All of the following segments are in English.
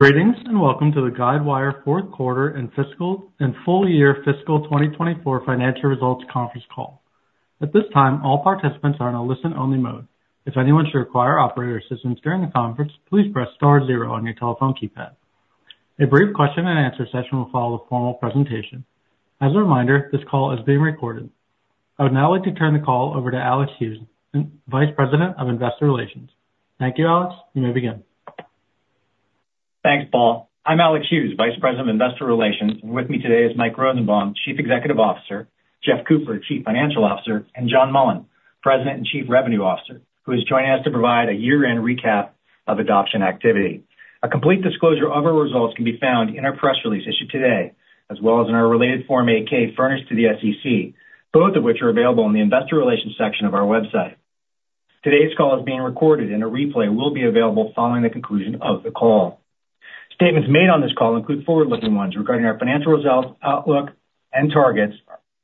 Greetings, and welcome to the Guidewire Fourth Quarter and Fiscal and Full Year Fiscal 2024 Financial Results Conference Call. At this time, all participants are in a listen-only mode. If anyone should require operator assistance during the conference, please press star zero on your telephone keypad. A brief question and answer session will follow the formal presentation. As a reminder, this call is being recorded. I would now like to turn the call over to Alex Hughes, Vice President of Investor Relations. Thank you, Alex. You may begin. Thanks, Paul. I'm Alex Hughes, Vice President of Investor Relations, and with me today is Mike Rosenbaum, Chief Executive Officer, Jeff Cooper, Chief Financial Officer, and John Mullen, President and Chief Revenue Officer, who is joining us to provide a year-end recap of adoption activity. A complete disclosure of our results can be found in our press release issued today, as well as in our related Form 8-K furnished to the SEC, both of which are available on the investor relations section of our website. Today's call is being recorded, and a replay will be available following the conclusion of the call. Statements made on this call include forward-looking ones regarding our financial results, outlook, and targets,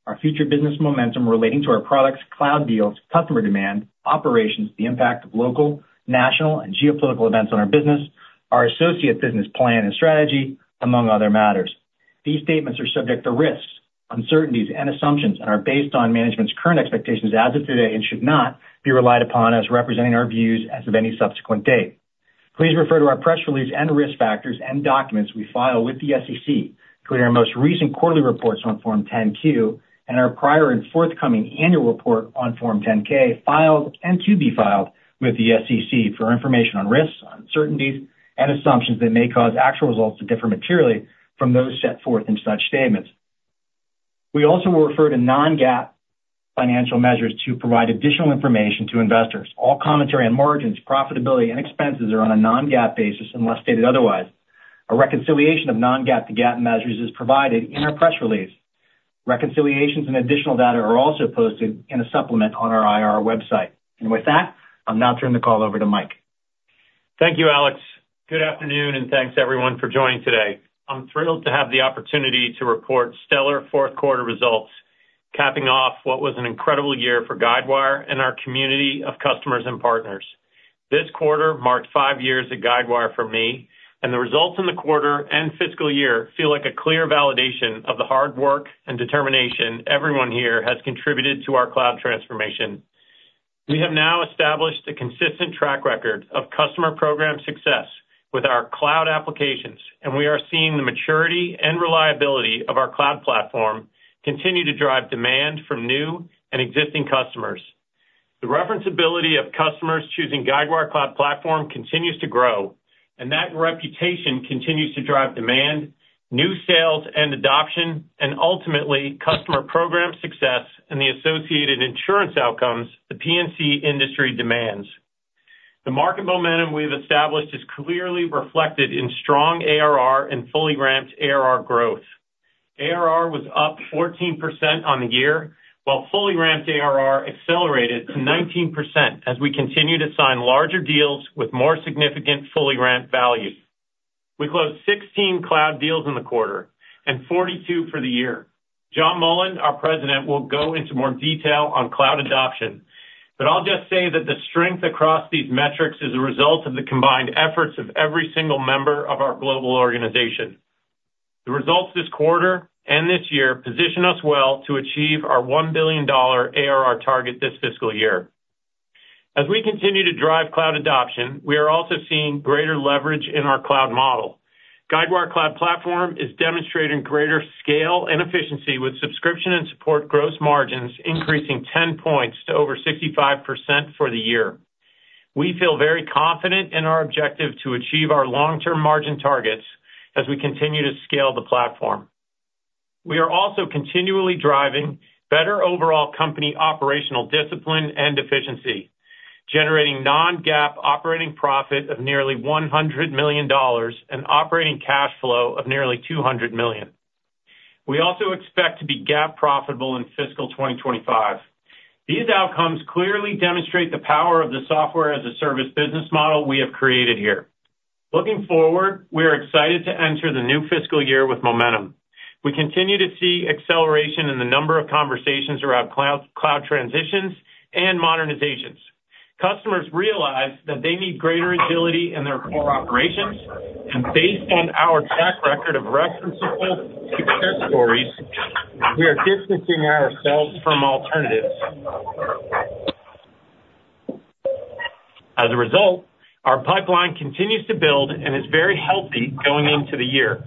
our future business momentum relating to our products, cloud deals, customer demand, operations, the impact of local, national, and geopolitical events on our business, our associate business plan and strategy, among other matters. These statements are subject to risks, uncertainties, and assumptions and are based on management's current expectations as of today and should not be relied upon as representing our views as of any subsequent date. Please refer to our press release and risk factors and documents we file with the SEC, including our most recent quarterly reports on Form 10-Q and our prior and forthcoming annual report on Form 10-K, filed and to be filed with the SEC for information on risks, uncertainties, and assumptions that may cause actual results to differ materially from those set forth in such statements. We also will refer to non-GAAP financial measures to provide additional information to investors. All commentary on margins, profitability, and expenses are on a non-GAAP basis, unless stated otherwise. A reconciliation of non-GAAP to GAAP measures is provided in our press release. Reconciliations and additional data are also posted in a supplement on our IR website, and with that, I'll now turn the call over to Mike. Thank you, Alex. Good afternoon, and thanks everyone for joining today. I'm thrilled to have the opportunity to report stellar fourth quarter results, capping off what was an incredible year for Guidewire and our community of customers and partners. This quarter marked five years at Guidewire for me, and the results in the quarter and fiscal year feel like a clear validation of the hard work and determination everyone here has contributed to our cloud transformation. We have now established a consistent track record of customer program success with our cloud applications, and we are seeing the maturity and reliability of our cloud platform continue to drive demand from new and existing customers. The referencability of customers choosing Guidewire Cloud Platform continues to grow, and that reputation continues to drive demand, new sales and adoption, and ultimately, customer program success and the associated insurance outcomes the P&C industry demands. The market momentum we've established is clearly reflected in strong ARR and fully ramped ARR growth. ARR was up 14% on the year, while fully ramped ARR accelerated to 19% as we continue to sign larger deals with more significant fully ramped values. We closed 16 cloud deals in the quarter and 42 for the year. John Mullen, our president, will go into more detail on cloud adoption, but I'll just say that the strength across these metrics is a result of the combined efforts of every single member of our global organization. The results this quarter and this year position us well to achieve our $1 billion ARR target this fiscal year. As we continue to drive cloud adoption, we are also seeing greater leverage in our cloud model. Guidewire Cloud Platform is demonstrating greater scale and efficiency, with subscription and support gross margins increasing ten points to over 65% for the year. We feel very confident in our objective to achieve our long-term margin targets as we continue to scale the platform. We are also continually driving better overall company operational discipline and efficiency, generating non-GAAP operating profit of nearly $100 million and operating cash flow of nearly $200 million. We also expect to be GAAP profitable in fiscal 2025. These outcomes clearly demonstrate the power of the software as a service business model we have created here. Looking forward, we are excited to enter the new fiscal year with momentum. We continue to see acceleration in the number of conversations around cloud, cloud transitions and modernizations. Customers realize that they need greater agility in their core operations, and based on our track record of referenceable success stories, we are distancing ourselves from alternatives. As a result, our pipeline continues to build and is very healthy going into the year.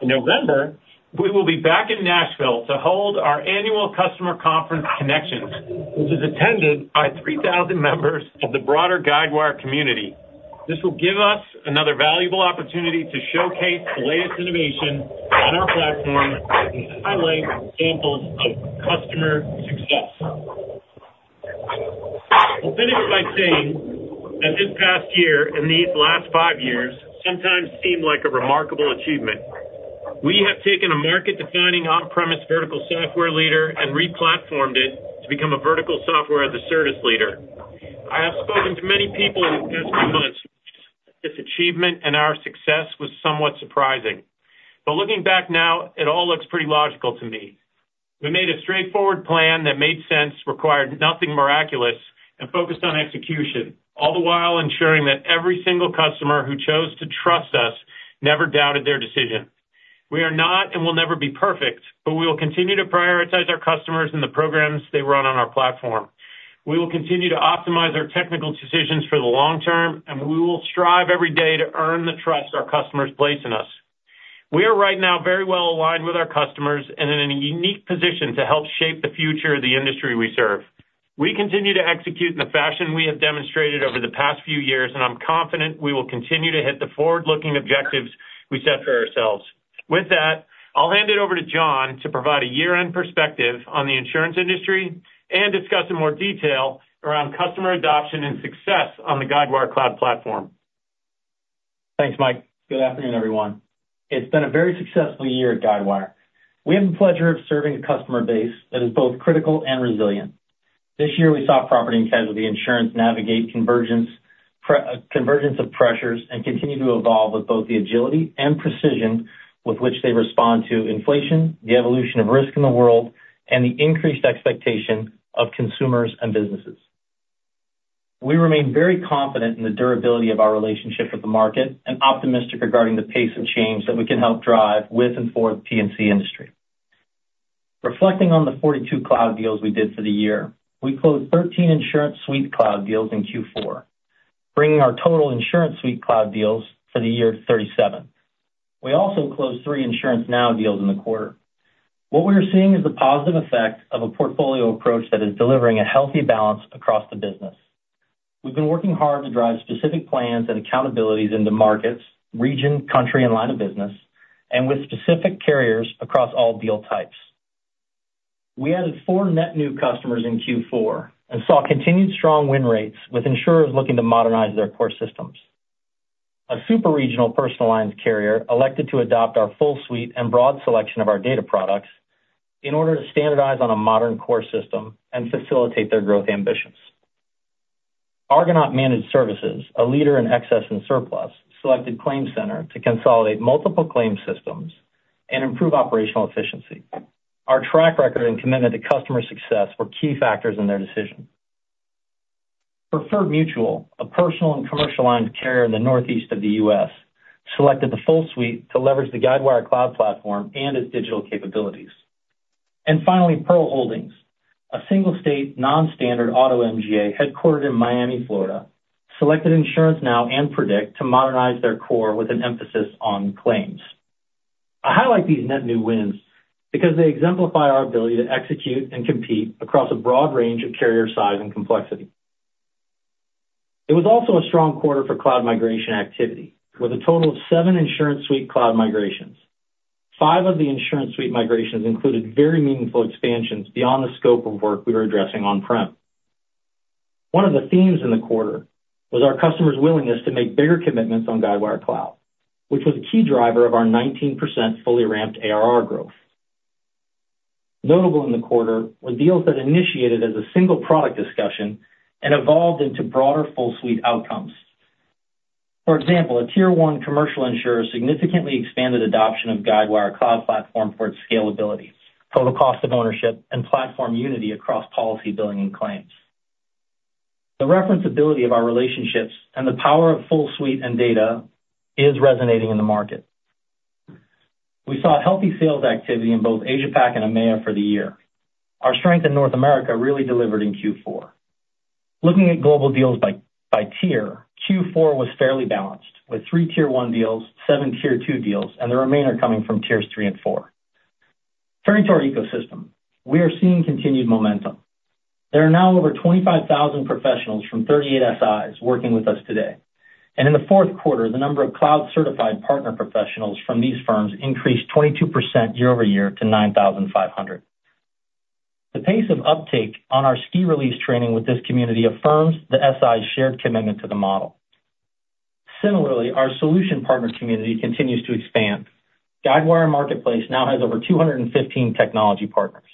In November, we will be back in Nashville to hold our annual customer conference Connections, which is attended by 3,000 members of the broader Guidewire community. This will give us another valuable opportunity to showcase the latest innovation on our platform and highlight examples of customer success. I'll finish by saying that this past year and these last 5 years sometimes seem like a remarkable achievement. We have taken a market-defining on-premise vertical software leader and replatformed it to become a vertical software- as-a-service leader. I have spoken to many people in the past few months. This achievement and our success was somewhat surprising, but looking back now, it all looks pretty logical to me... We made a straightforward plan that made sense, required nothing miraculous, and focused on execution, all the while ensuring that every single customer who chose to trust us never doubted their decision. We are not and will never be perfect, but we will continue to prioritize our customers and the programs they run on our platform. We will continue to optimize our technical decisions for the long term, and we will strive every day to earn the trust our customers place in us. We are right now very well aligned with our customers and in a unique position to help shape the future of the industry we serve. We continue to execute in the fashion we have demonstrated over the past few years, and I'm confident we will continue to hit the forward-looking objectives we set for ourselves. With that, I'll hand it over to John to provide a year-end perspective on the insurance industry and discuss in more detail around customer adoption and success on the Guidewire Cloud Platform. Thanks, Mike. Good afternoon, everyone. It's been a very successful year at Guidewire. We have the pleasure of serving a customer base that is both critical and resilient. This year, we saw property and casualty insurance navigate convergence, convergence of pressures and continue to evolve with both the agility and precision with which they respond to inflation, the evolution of risk in the world, and the increased expectation of consumers and businesses. We remain very confident in the durability of our relationship with the market and optimistic regarding the pace of change that we can help drive with and for the P&C industry. Reflecting on the 42 cloud deals we did for the year, we closed 13 InsuranceSuite Cloud deals in Q4, bringing our total InsuranceSuite Cloud deals for the year to 37. We also closed three InsuranceNow deals in the quarter. What we are seeing is the positive effect of a portfolio approach that is delivering a healthy balance across the business. We've been working hard to drive specific plans and accountabilities into markets, region, country, and line of business, and with specific carriers across all deal types. We added four net new customers in Q4 and saw continued strong win rates with insurers looking to modernize their core systems. A super-regional personal lines carrier elected to adopt our full suite and broad selection of our data products in order to standardize on a modern core system and facilitate their growth ambitions. Argonaut Management Services, a leader in excess and surplus, selected ClaimCenter to consolidate multiple claims systems and improve operational efficiency. Our track record and commitment to customer success were key factors in their decision. Preferred Mutual, a personal and commercial lines carrier in the Northeast of the U.S., selected the full suite to leverage the Guidewire Cloud Platform and its digital capabilities, and finally, Pearl Holdings, a single-state, non-standard auto MGA, headquartered in Miami, Florida, selected InsuranceNow and Predict to modernize their core with an emphasis on claims. I highlight these net new wins because they exemplify our ability to execute and compete across a broad range of carrier size and complexity. It was also a strong quarter for cloud migration activity, with a total of seven InsuranceSuite Cloud migrations. Five of the InsuranceSuite migrations included very meaningful expansions beyond the scope of work we were addressing on-prem. One of the themes in the quarter was our customers' willingness to make bigger commitments on Guidewire Cloud, which was a key driver of our 19% fully ramped ARR growth. Notable in the quarter were deals that initiated as a single product discussion and evolved into broader full suite outcomes. For example, a Tier 1 commercial insurer significantly expanded adoption of Guidewire Cloud Platform for its scalability, total cost of ownership, and platform unity across policy, billing, and claims. The reference ability of our relationships and the power of full suite and data is resonating in the market. We saw healthy sales activity in both Asia-Pac and EMEA for the year. Our strength in North America really delivered in Q4. Looking at global deals by tier, Q4 was fairly balanced, with three Tier 1 deals, seven Tier 2 deals, and the remainder coming from tiers three and four. Turning to our ecosystem, we are seeing continued momentum. There are now over 25,000 professionals from 38 SIs working with us today, and in the fourth quarter, the number of cloud-certified partner professionals from these firms increased 22% year over year to 9,500. The pace of uptake on our quarterly release training with this community affirms the SIs' shared commitment to the model. Similarly, our solution partner community continues to expand. Guidewire Marketplace now has over 215 technology partners.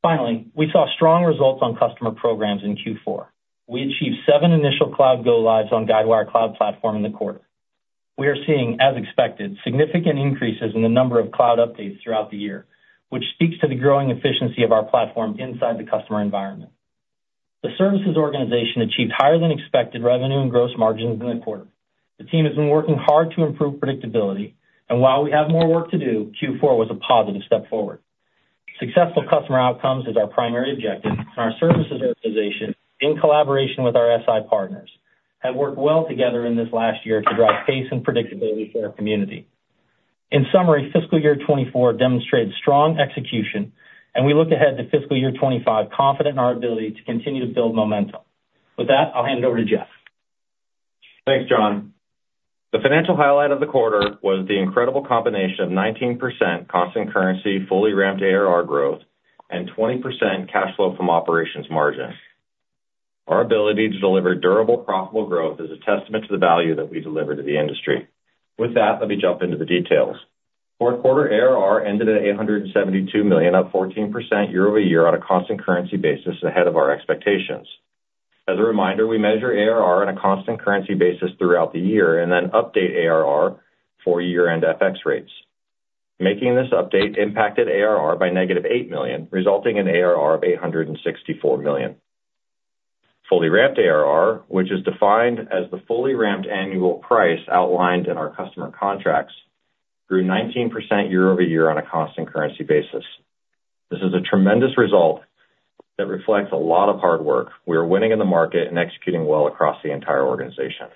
Finally, we saw strong results on customer programs in Q4. We achieved seven initial cloud go-lives on Guidewire Cloud Platform in the quarter. We are seeing, as expected, significant increases in the number of cloud updates throughout the year, which speaks to the growing efficiency of our platform inside the customer environment. The services organization achieved higher than expected revenue and gross margins in the quarter. The team has been working hard to improve predictability, and while we have more work to do, Q4 was a positive step forward. Successful customer outcomes is our primary objective, and our services organization, in collaboration with our SI partners, have worked well together in this last year to drive pace and predictability for our community. In summary, fiscal year 2024 demonstrated strong execution, and we look ahead to fiscal year 2025 confident in our ability to continue to build momentum. With that, I'll hand it over to Jeff. Thanks, John. The financial highlight of the quarter was the incredible combination of 19% constant currency, fully ramped ARR growth, and 20% cash flow from operations margin. Our ability to deliver durable, profitable growth is a testament to the value that we deliver to the industry. With that, let me jump into the details. Fourth quarter ARR ended at $872 million, up 14% year- over-year on a constant currency basis ahead of our expectations. As a reminder, we measure ARR on a constant currency basis throughout the year, and then update ARR for year-end FX rates. Making this update impacted ARR by -$8 million, resulting in ARR of $864 million. Fully ramped ARR, which is defined as the fully ramped annual price outlined in our customer contracts, grew 19% year over year on a constant currency basis. This is a tremendous result that reflects a lot of hard work. We are winning in the market and executing well across the entire organization.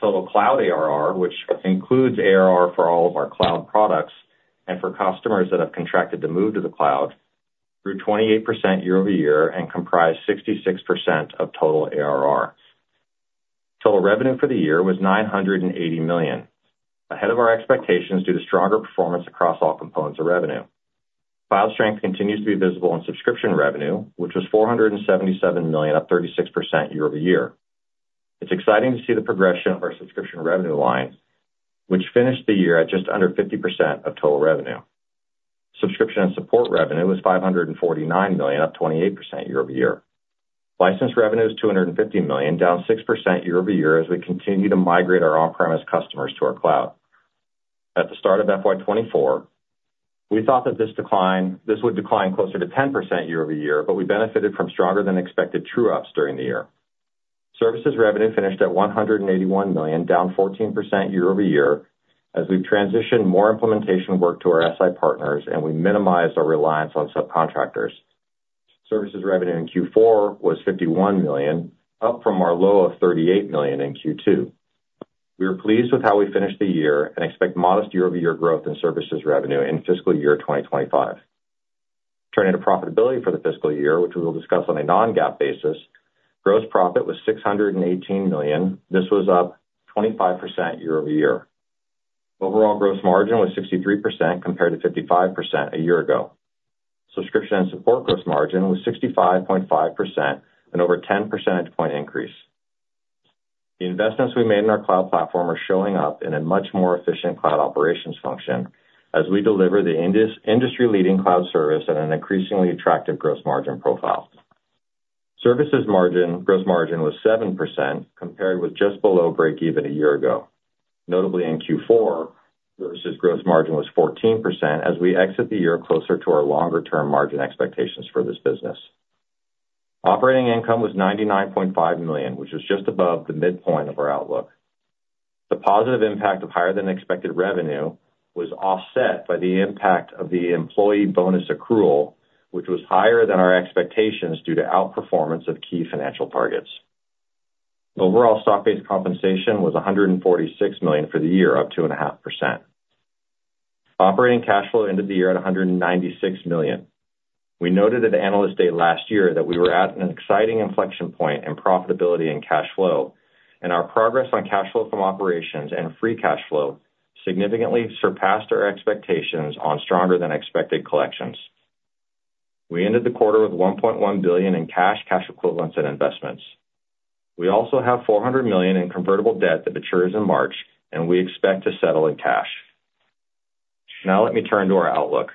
Total cloud ARR, which includes ARR for all of our cloud products and for customers that have contracted to move to the cloud, grew 28% year over year and comprised 66% of total ARR. Total revenue for the year was $980 million, ahead of our expectations, due to stronger performance across all components of revenue. Pipeline strength continues to be visible in subscription revenue, which was $477 million, up 36% year over year. It's exciting to see the progression of our subscription revenue line, which finished the year at just under 50% of total revenue. Subscription and support revenue was $549 million, up 28% year over year. License revenue is $250 million, down 6% year over year, as we continue to migrate our on-premise customers to our cloud. At the start of FY 2024, we thought that this would decline closer to 10% year over year, but we benefited from stronger than expected true-ups during the year. Services revenue finished at $181 million, down 14% year over year, as we've transitioned more implementation work to our SI partners, and we minimized our reliance on subcontractors. Services revenue in Q4 was $51 million, up from our low of $38 million in Q2. We are pleased with how we finished the year and expect modest year-over-year growth in services revenue in fiscal year 2025. Turning to profitability for the fiscal year, which we will discuss on a non-GAAP basis, gross profit was $618 million. This was up 25% year over year. Overall gross margin was 63%, compared to 55% a year ago. Subscription and support gross margin was 65.5%, an over 10 percentage point increase. The investments we made in our cloud platform are showing up in a much more efficient cloud operations function as we deliver the industry-leading cloud service at an increasingly attractive gross margin profile. Services gross margin was 7%, compared with just below break even a year ago. Notably, in Q4, services gross margin was 14% as we exit the year closer to our longer-term margin expectations for this business. Operating income was $99.5 million, which is just above the midpoint of our outlook. The positive impact of higher than expected revenue was offset by the impact of the employee bonus accrual, which was higher than our expectations due to outperformance of key financial targets. Overall, stock-based compensation was $146 million for the year, up 2.5%. Operating cash flow ended the year at $196 million. We noted at the Analyst Day last year that we were at an exciting inflection point in profitability and cash flow, and our progress on cash flow from operations and free cash flow significantly surpassed our expectations on stronger than expected collections. We ended the quarter with $1.1 billion in cash, cash equivalents, and investments. We also have $400 million in convertible debt that matures in March, and we expect to settle in cash. Now let me turn to our outlook.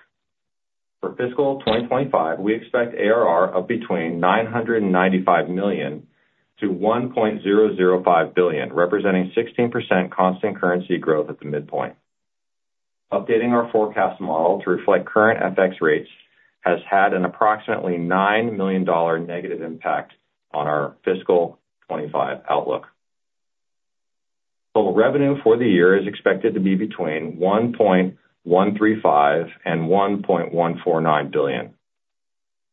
For fiscal 2025, we expect ARR of between $995 million-$1.005 billion, representing 16% constant currency growth at the midpoint. Updating our forecast model to reflect current FX rates has had an approximately $9 million negative impact on our fiscal 2025 outlook. Total revenue for the year is expected to be between $1.135 billion and $1.149 billion.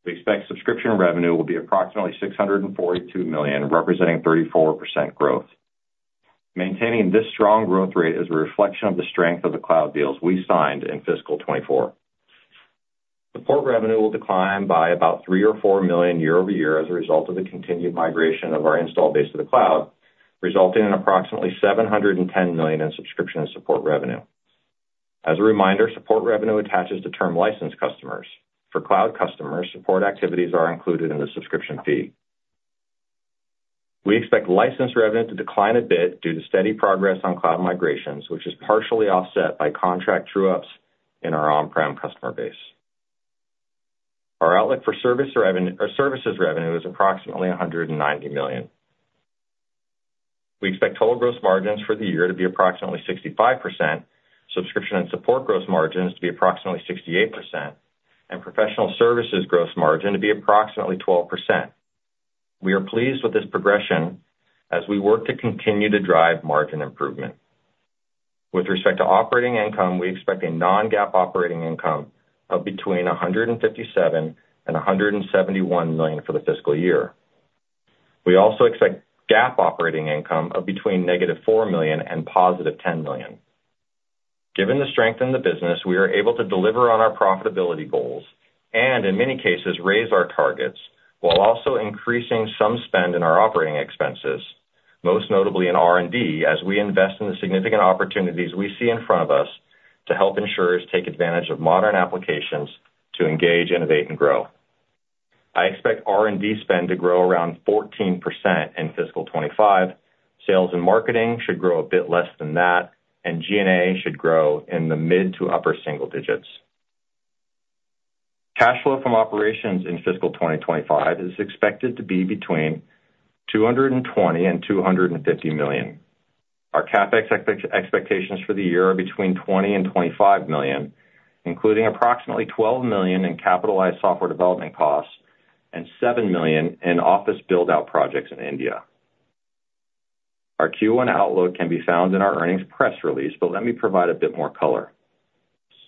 We expect subscription revenue will be approximately $642 million, representing 34% growth. Maintaining this strong growth rate is a reflection of the strength of the cloud deals we signed in fiscal 2024. Support revenue will decline by about $3 million or $4 million year over year as a result of the continued migration of our installed base to the cloud, resulting in approximately $710 million in subscription and support revenue. As a reminder, support revenue attaches to term license customers. For cloud customers, support activities are included in the subscription fee. We expect license revenue to decline a bit due to steady progress on cloud migrations, which is partially offset by contract true ups in our on-prem customer base. Our outlook for services revenue is approximately $190 million. We expect total gross margins for the year to be approximately 65%, subscription and support gross margins to be approximately 68%, and professional services gross margin to be approximately 12%. We are pleased with this progression as we work to continue to drive margin improvement. With respect to operating income, we expect a non-GAAP operating income of between $157 million and $171 million for the fiscal year. We also expect GAAP operating income of between -$4 million and +$10 million. Given the strength in the business, we are able to deliver on our profitability goals and, in many cases, raise our targets while also increasing some spend in our operating expenses, most notably in R&D, as we invest in the significant opportunities we see in front of us to help insurers take advantage of modern applications to engage, innovate, and grow. I expect R&D spend to grow around 14% in fiscal 2025. Sales and marketing should grow a bit less than that, and G&A should grow in the mid to upper single digits. Cash flow from operations in fiscal 2025 is expected to be between $220 million and $250 million. Our CapEx expectations for the year are between $20 million and $25 million, including approximately $12 million in capitalized software development costs and $7 million in office build-out projects in India. Our Q1 outlook can be found in our earnings press release, but let me provide a bit more color.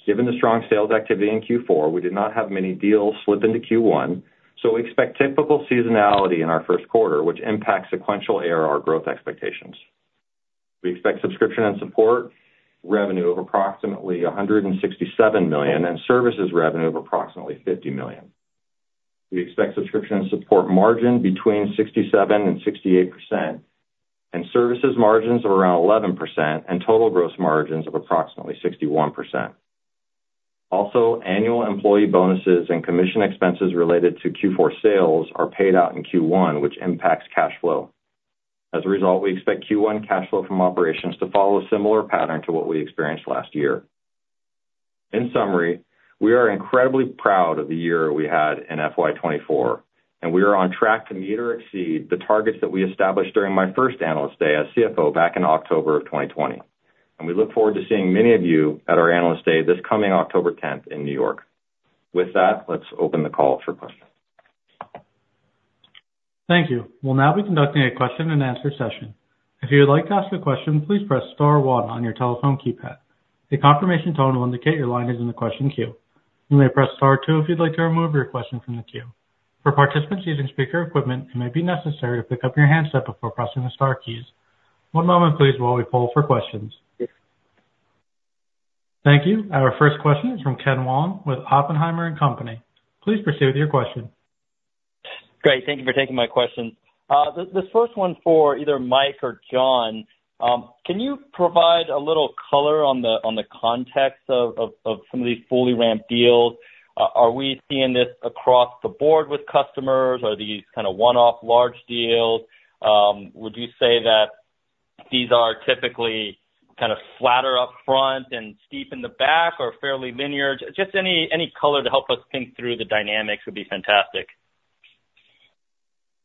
Given the strong sales activity in Q4, we did not have many deals slip into Q1, so we expect typical seasonality in our first quarter, which impacts sequential ARR growth expectations. We expect subscription and support revenue of approximately $167 million and services revenue of approximately $50 million. We expect subscription and support margin between 67% and 68%, and services margins of around 11%, and total gross margins of approximately 61%. Also, annual employee bonuses and commission expenses related to Q4 sales are paid out in Q1, which impacts cash flow. As a result, we expect Q1 cash flow from operations to follow a similar pattern to what we experienced last year. In summary, we are incredibly proud of the year we had in FY 2024, and we are on track to meet or exceed the targets that we established during my first Analyst Day as CFO back in October 2020, and we look forward to seeing many of you at our Analyst Day, this coming October tenth in New York. With that, let's open the call for questions. Thank you. We'll now be conducting a question and answer session. If you would like to ask a question, please press star one on your telephone keypad. A confirmation tone will indicate your line is in the question queue. You may press star two if you'd like to remove your question from the queue. For participants using speaker equipment, it may be necessary to pick up your handset before pressing the star keys. One moment, please, while we poll for questions. Thank you. Our first question is from Ken Wong with Oppenheimer and Company. Please proceed with your question. Great. Thank you for taking my questions. This first one for either Mike or John. Can you provide a little color on the context of some of these fully ramped deals? Are we seeing this across the board with customers? Are these kind of one-off large deals? Would you say that these are typically kind of flatter up front and steep in the back, or fairly linear? Just any color to help us think through the dynamics would be fantastic.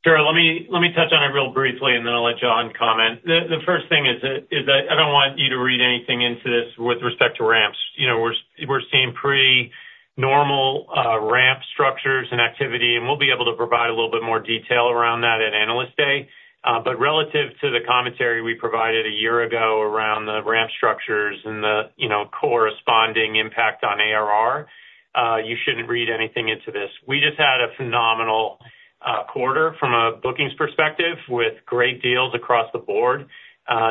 Sure. Let me touch on it real briefly, and then I'll let John comment. The first thing is that I don't want you to read anything into this with respect to ramps. You know, we're seeing pretty normal ramp structures and activity, and we'll be able to provide a little bit more detail around that at Analyst Day. But relative to the commentary we provided a year ago around the ramp structures and the, you know, corresponding impact on ARR, you shouldn't read anything into this. We just had a phenomenal quarter from a bookings perspective, with great deals across the board.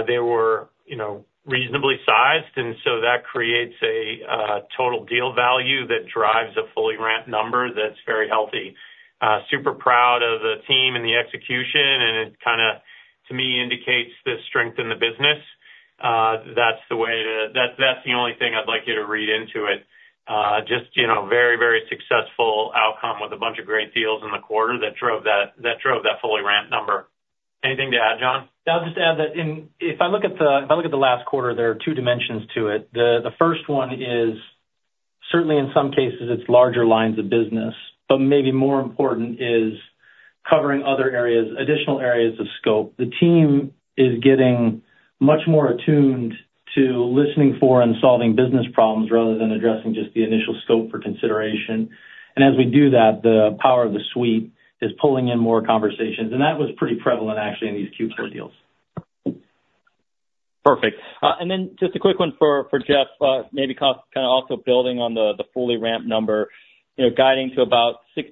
They were, you know, reasonably sized, and so that creates a total deal value that drives a fully ramped number that's very healthy. Super proud of the team and the execution, and it kind of, to me, indicates the strength in the business. That's the only thing I'd like you to read into it. Just, you know, very, very successful outcome with a bunch of great deals in the quarter that drove that fully ramped number. Anything to add, John? I'll just add that in. If I look at the last quarter, there are two dimensions to it. The first one is, certainly in some cases, it's larger lines of business, but maybe more important is covering other areas, additional areas of scope. The team is getting much more attuned to listening for and solving business problems, rather than addressing just the initial scope for consideration. And as we do that, the power of the suite is pulling in more conversations, and that was pretty prevalent actually in these Q4 deals. Perfect. And then just a quick one for Jeff. Maybe costs kind of, also building on the fully ramped number. You know, guiding to about 16%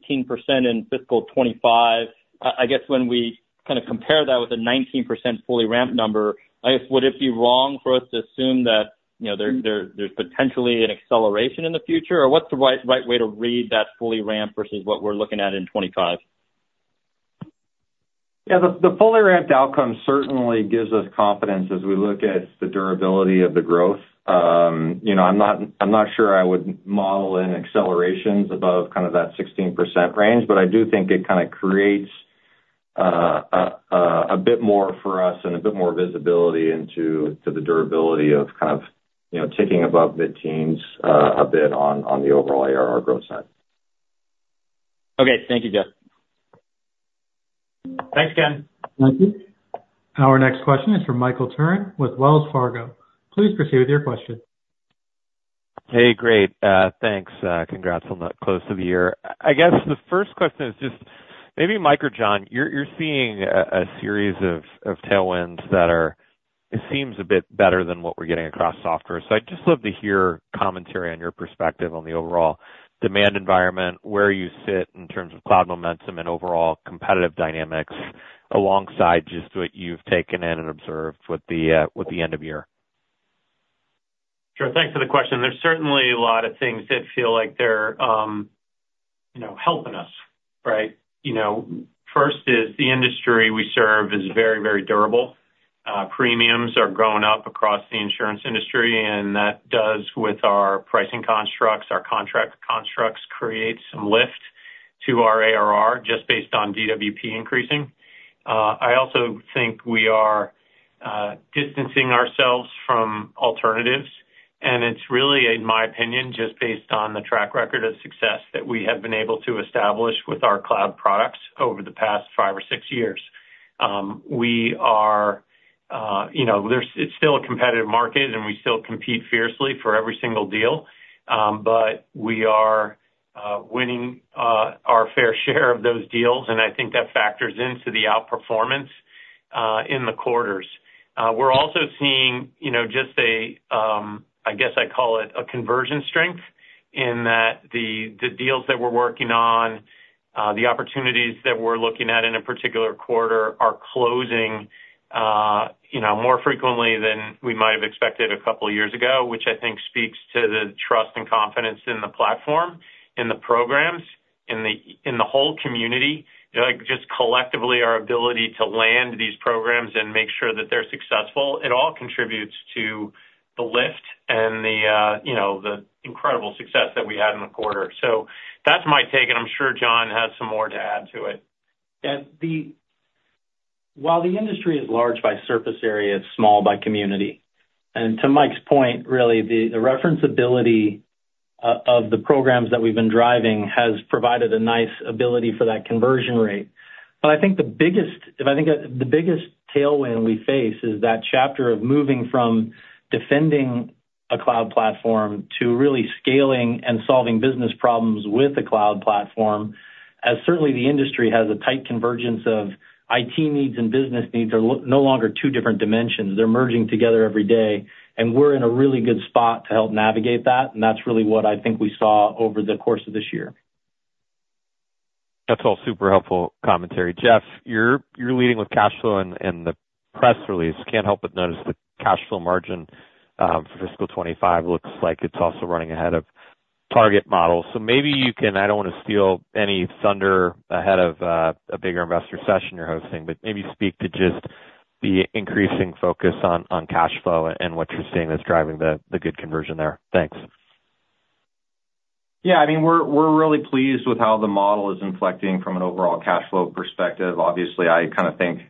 in fiscal 2025. I guess when we kind of compare that with a 19% fully ramped number, I guess, would it be wrong for us to assume that, you know, there's potentially an acceleration in the future? Or what's the right way to read that fully ramped versus what we're looking at in 2025? Yeah, the fully ramped outcome certainly gives us confidence as we look at the durability of the growth. You know, I'm not sure I would model in accelerations above kind of that 16% range, but I do think it kind of creates a bit more for us and a bit more visibility into the durability of kind of, you know, ticking above mid-teens a bit on the overall ARR growth side. Okay. Thank you, Jeff. Thanks, Ken. Thank you. Our next question is from Michael Turrin with Wells Fargo. Please proceed with your question. Hey, great, thanks, congrats on the close of the year. I guess the first question is just, maybe Mike or John, you're seeing a series of tailwinds that are, it seems, a bit better than what we're getting across software. So I'd just love to hear commentary on your perspective on the overall demand environment, where you sit in terms of cloud momentum and overall competitive dynamics, alongside just what you've taken in and observed with the end of year. Sure, thanks for the question. There's certainly a lot of things that feel like they're, you know, helping us, right? You know, first is the industry we serve is very, very durable. Premiums are going up across the insurance industry, and that does with our pricing constructs, our contract constructs, create some lift to our ARR just based on DWP increasing. I also think we are distancing ourselves from alternatives, and it's really, in my opinion, just based on the track record of success that we have been able to establish with our cloud products over the past five or six years. We are, you know, there's, it's still a competitive market, and we still compete fiercely for every single deal, but we are winning our fair share of those deals, and I think that factors into the outperformance in the quarters. We're also seeing, you know, just a, I guess I'd call it a conversion strength in that the deals that we're working on, the opportunities that we're looking at in a particular quarter are closing, you know, more frequently than we might have expected a couple of years ago, which I think speaks to the trust and confidence in the platform, in the programs, in the whole community. You know, like, just collectively, our ability to land these programs and make sure that they're successful, it all contributes to the lift and the, you know, the incredible success that we had in the quarter. So that's my take, and I'm sure John has some more to add to it. Yeah, while the industry is large by surface area, it's small by community. And to Mike's point, really, the reference ability of the programs that we've been driving has provided a nice ability for that conversion rate. But I think the biggest tailwind we face is that chapter of moving from defending a cloud platform to really scaling and solving business problems with the cloud platform, as certainly the industry has a tight convergence of IT needs and business needs are no longer two different dimensions. They're merging together every day, and we're in a really good spot to help navigate that, and that's really what I think we saw over the course of this year. That's all super helpful commentary. Jeff, you're leading with cash flow and the press release. Can't help but notice the cash flow margin for fiscal 2025 looks like it's also running ahead of target model. So maybe you can. I don't want to steal any thunder ahead of a bigger investor session you're hosting, but maybe speak to just the increasing focus on cash flow and what you're seeing that's driving the good conversion there. Thanks. Yeah, I mean, we're really pleased with how the model is inflecting from an overall cash flow perspective. Obviously, I kind of think,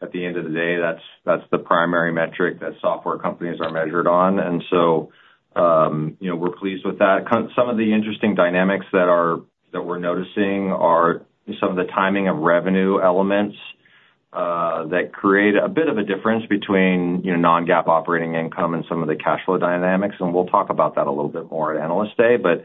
at the end of the day, that's the primary metric that software companies are measured on. And so, you know, we're pleased with that. Some of the interesting dynamics that we're noticing are some of the timing of revenue elements that create a bit of a difference between, you know, non-GAAP operating income and some of the cash flow dynamics, and we'll talk about that a little bit more at Analyst Day. But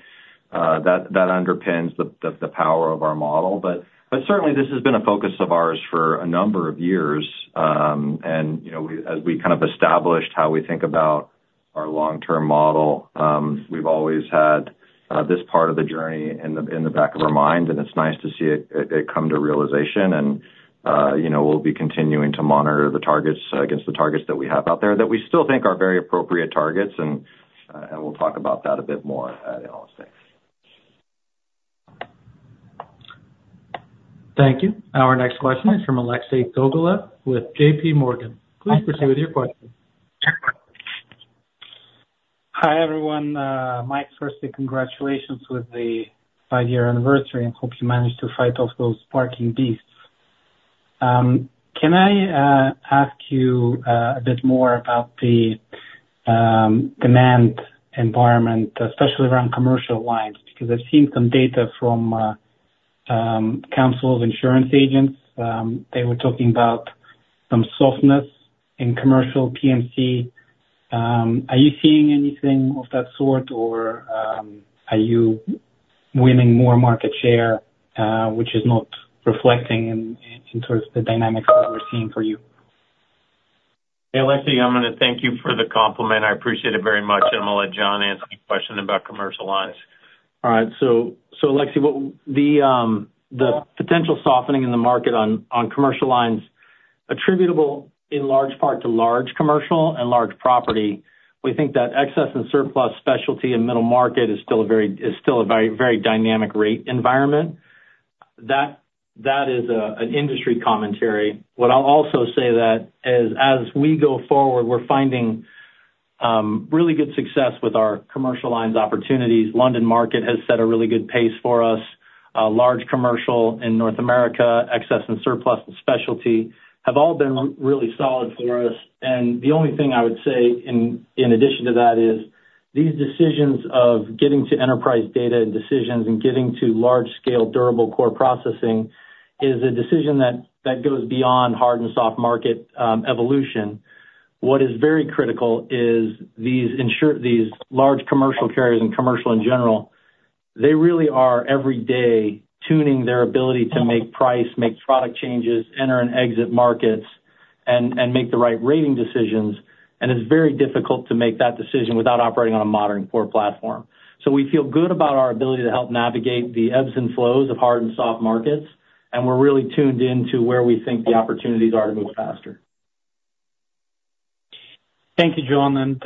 that underpins the power of our model. But certainly, this has been a focus of ours for a number of years. You know, we, as we kind of established how we think about our long-term model, we've always had this part of the journey in the back of our mind, and it's nice to see it come to realization, and you know, we'll be continuing to monitor the targets against the targets that we have out there that we still think are very appropriate targets, and we'll talk about that a bit more at Analyst Day. Thank you. Our next question is from Alexei Gogolev with JP Morgan. Please proceed with your question. Hi, everyone. Mike, firstly, congratulations with the five-year anniversary, and hope you managed to fight off those sparking beasts. Can I ask you a bit more about the demand environment, especially around commercial lines? Because I've seen some data from Council of Insurance Agents. They were talking about some softness in commercial P&C. Are you seeing anything of that sort, or are you winning more market share, which is not reflecting in terms of the dynamics that we're seeing for you? Hey, Alexei, I'm gonna thank you for the compliment. I appreciate it very much, and I'll let John answer your question about commercial lines. All right, so Alexei, the potential softening in the market on commercial lines, attributable in large part to large commercial and large property. We think that excess and surplus specialty and middle market is still a very, very dynamic rate environment. That is an industry commentary. What I'll also say that, as we go forward, we're finding really good success with our commercial lines opportunities. London Market has set a really good pace for us, large commercial in North America, excess and surplus and specialty have all been really solid for us. The only thing I would say in addition to that is, these decisions of getting to enterprise data and decisions and getting to large-scale, durable core processing is a decision that goes beyond hard and soft market evolution. What is very critical is these large commercial carriers and commercial in general, they really are, every day, tuning their ability to make price, make product changes, enter and exit markets, and make the right rating decisions. And it's very difficult to make that decision without operating on a modern core platform. So we feel good about our ability to help navigate the ebbs and flows of hard and soft markets, and we're really tuned in to where we think the opportunities are to move faster. Thank you, John. And,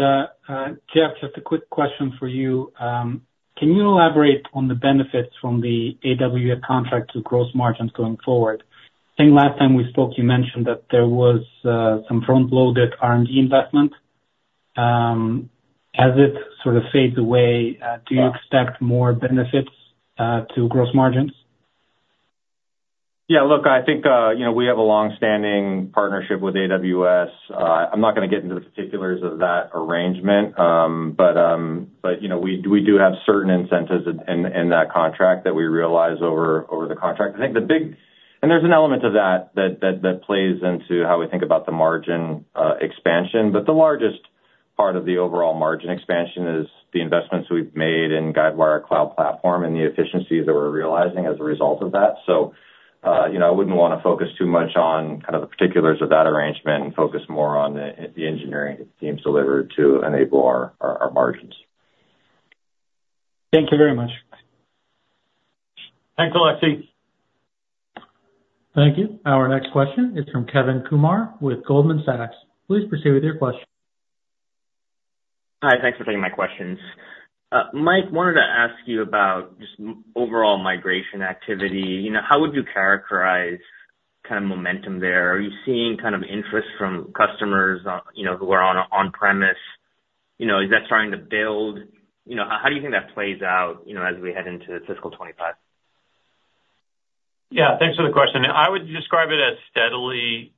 Jeff, just a quick question for you. Can you elaborate on the benefits from the AWS contract to gross margins going forward? I think last time we spoke, you mentioned that there was some front-loaded R&D investment. has it sort of fade away? Do you expect more benefits to gross margins? Yeah, look, I think, you know, we have a long-standing partnership with AWS. I'm not gonna get into the particulars of that arrangement, but, you know, we do have certain incentives in that contract that we realize over the contract. I think, and there's an element to that that plays into how we think about the margin expansion. But the largest part of the overall margin expansion is the investments we've made in Guidewire Cloud Platform and the efficiencies that we're realizing as a result of that. So, you know, I wouldn't wanna focus too much on kind of the particulars of that arrangement and focus more on the engineering team delivered to enable our margins. Thank you very much. Thanks, Alexei. Thank you. Our next question is from Kevin Kumar with Goldman Sachs. Please proceed with your question. Hi, thanks for taking my questions. Mike, wanted to ask you about just overall migration activity. You know, how would you characterize kind of momentum there? Are you seeing kind of interest from customers, you know, who are on-premise? You know, is that starting to build? You know, how do you think that plays out, you know, as we head into fiscal 2025? Yeah, thanks for the question. I would describe it as steadily,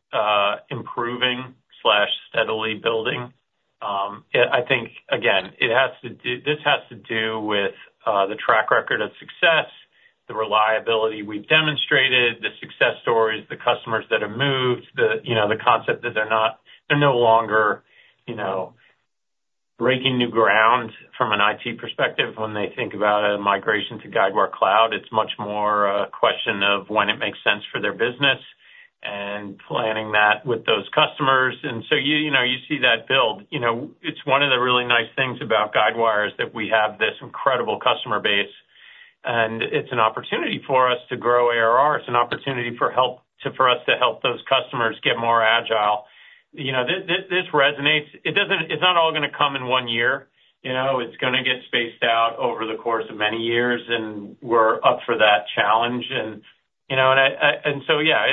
improving slash steadily building. Yeah, I think, again, it has to do - this has to do with the track record of success, the reliability we've demonstrated, the success stories, the customers that have moved, you know, the concept that they're not - they're no longer, you know, breaking new ground from an IT perspective when they think about a migration to Guidewire Cloud. It's much more a question of when it makes sense for their business and planning that with those customers. And so you, you know, you see that build. You know, it's one of the really nice things about Guidewire, is that we have this incredible customer base, and it's an opportunity for us to grow ARR. It's an opportunity to, for us to help those customers get more agile. You know, this resonates. It doesn't. It's not all gonna come in one year, you know? It's gonna get spaced out over the course of many years, and we're up for that challenge. And, you know, and so, yeah,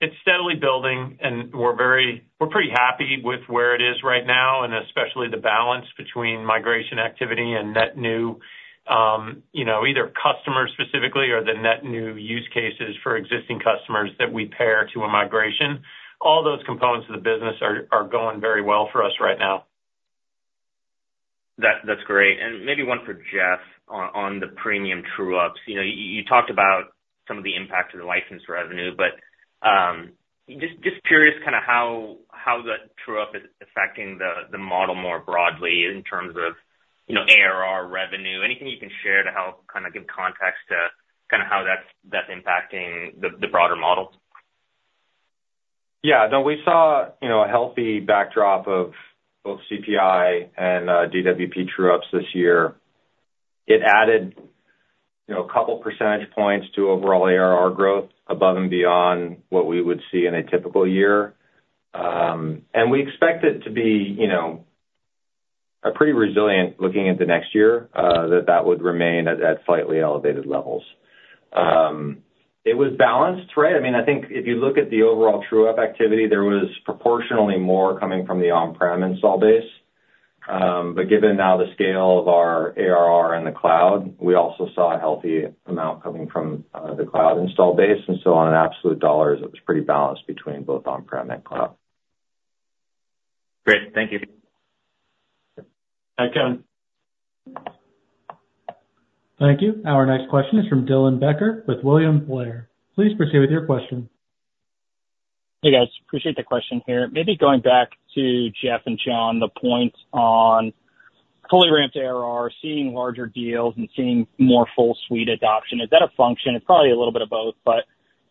it's steadily building, and we're pretty happy with where it is right now, and especially the balance between migration activity and net new, you know, either customers specifically or the net new use cases for existing customers that we pair to a migration. All those components of the business are going very well for us right now. That, that's great. And maybe one for Jeff on the premium true ups. You know, you talked about some of the impact of the license revenue, but just curious kinda how that true up is affecting the model more broadly in terms of, you know, ARR revenue. Anything you can share to help kind of give context to kinda how that's impacting the broader model? Yeah, no, we saw, you know, a healthy backdrop of both CPI and DWP true ups this year. It added, you know, a couple percentage points to overall ARR growth above and beyond what we would see in a typical year. And we expect it to be, you know, a pretty resilient, looking into next year, that would remain at slightly elevated levels. It was balanced, right? I mean, I think if you look at the overall true-up activity, there was proportionally more coming from the on-prem install base. But given now the scale of our ARR in the cloud, we also saw a healthy amount coming from the cloud install base, and so on absolute dollars, it was pretty balanced between both on-prem and cloud. Great. Thank you. Thank you. Thank you. Our next question is from Dylan Becker with William Blair. Please proceed with your question. Hey, guys, appreciate the question here. Maybe going back to Jeff and John, the points on fully ramped ARR, seeing larger deals and seeing more full suite adoption, is that a function? It's probably a little bit of both, but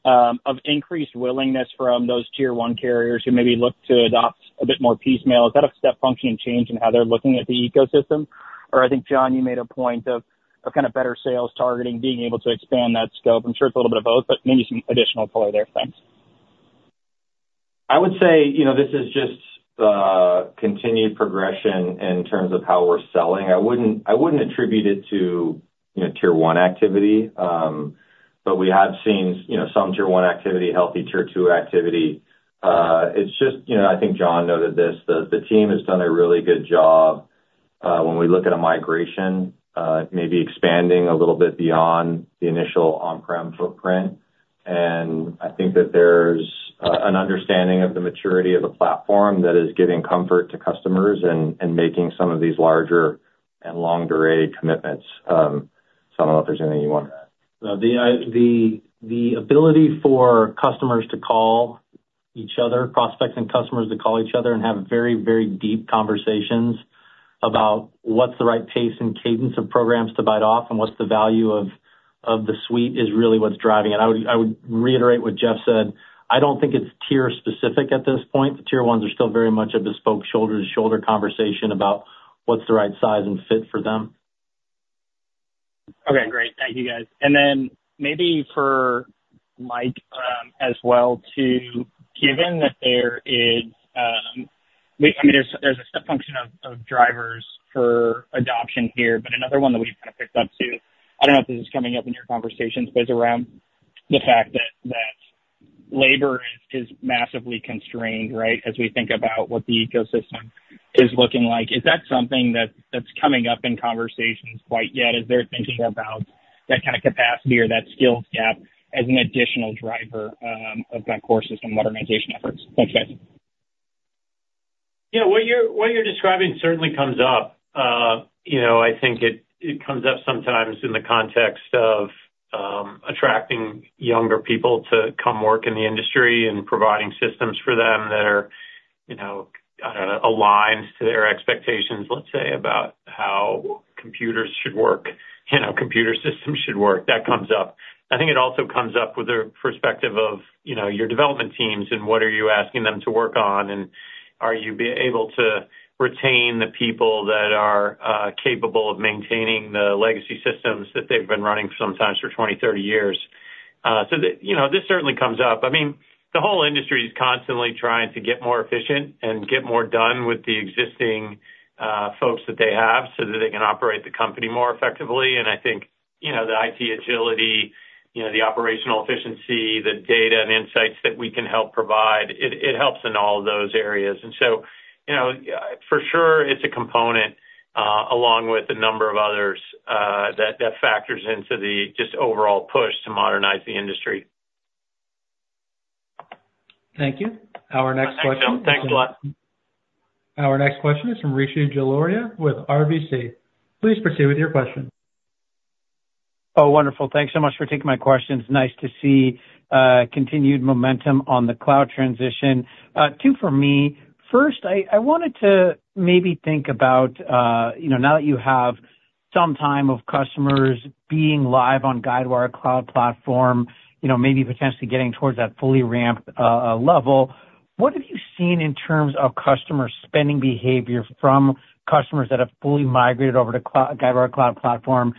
of increased willingness from those Tier 1 carriers who maybe look to adopt a bit more piecemeal, is that a step function and change in how they're looking at the ecosystem? Or I think, John, you made a point of kind of better sales targeting, being able to expand that scope. I'm sure it's a little bit of both, but maybe some additional color there. Thanks. I would say, you know, this is just, continued progression in terms of how we're selling. I wouldn't, I wouldn't attribute it to, you know, Tier 1 activity, but we have seen, you know, some Tier 1 activity, healthy Tier 2 activity. It's just, you know, I think John noted this, the team has done a really good job, when we look at a migration, maybe expanding a little bit beyond the initial on-prem footprint. And I think that there's, an understanding of the maturity of the platform that is giving comfort to customers and making some of these larger and longer-dated commitments. So I don't know if there's anything you want to add. The ability for customers to call each other, prospects and customers to call each other and have very, very deep conversations about what's the right pace and cadence of programs to bite off and what's the value of the suite is really what's driving it. I would reiterate what Jeff said. I don't think it's tier-specific at this point. The Tier 1 are still very much a bespoke, shoulder-to-shoulder conversation about what's the right size and fit for them. Okay, great. Thank you, guys. And then maybe for Mike, as well, too, given that there is, I mean, there's a step function of drivers for adoption here, but another one that we've kind of picked up, too, I don't know if this is coming up in your conversations, but it's around the fact that, that labor is massively constrained, right? As we think about what the ecosystem is looking like. Is that something that's coming up in conversations quite yet? Is there thinking about that kind of capacity or that skills gap as an additional driver of that core system modernization efforts? Thanks, guys. Yeah, what you're describing certainly comes up. You know, I think it comes up sometimes in the context of attracting younger people to come work in the industry and providing systems for them that are, you know, aligned to their expectations, let's say, about how computers should work, you know, computer systems should work. That comes up. I think it also comes up with the perspective of, you know, your development teams and what are you asking them to work on, and are you able to retain the people that are capable of maintaining the legacy systems that they've been running sometimes for 20 years-30 years? You know, this certainly comes up. I mean, the whole industry is constantly trying to get more efficient and get more done with the existing, folks that they have, so that they can operate the company more effectively. And I think, you know, the IT agility, you know, the operational efficiency, the data and insights that we can help provide, it helps in all those areas. And so, you know, for sure, it's a component, along with a number of others, that factors into the just overall push to modernize the industry. Thank you. Our next question- Thanks, Phil. Thanks a lot. Our next question is from Rishi Jaluria with RBC. Please proceed with your question. Oh, wonderful. Thanks so much for taking my questions. Nice to see continued momentum on the cloud transition. Two for me. First, I wanted to maybe think about, you know, now that you have some time of customers being live on Guidewire Cloud Platform, you know, maybe potentially getting towards that fully ramped level, what have you seen in terms of customer spending behavior from customers that have fully migrated over to Guidewire Cloud Platform,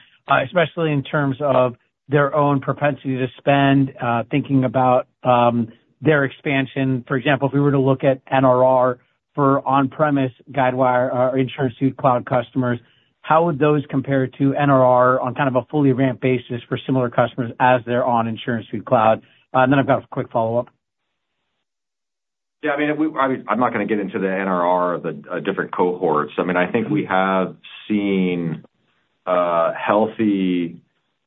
especially in terms of their own propensity to spend, thinking about their expansion? For example, if we were to look at NRR for on-premise Guidewire or InsuranceSuite Cloud customers, how would those compare to NRR on kind of a fully ramped basis for similar customers as they're on InsuranceSuite Cloud? Then I've got a quick follow-up. Yeah, I mean, if we, obviously, I'm not gonna get into the NRR of the different cohorts. I mean, I think we have seen healthy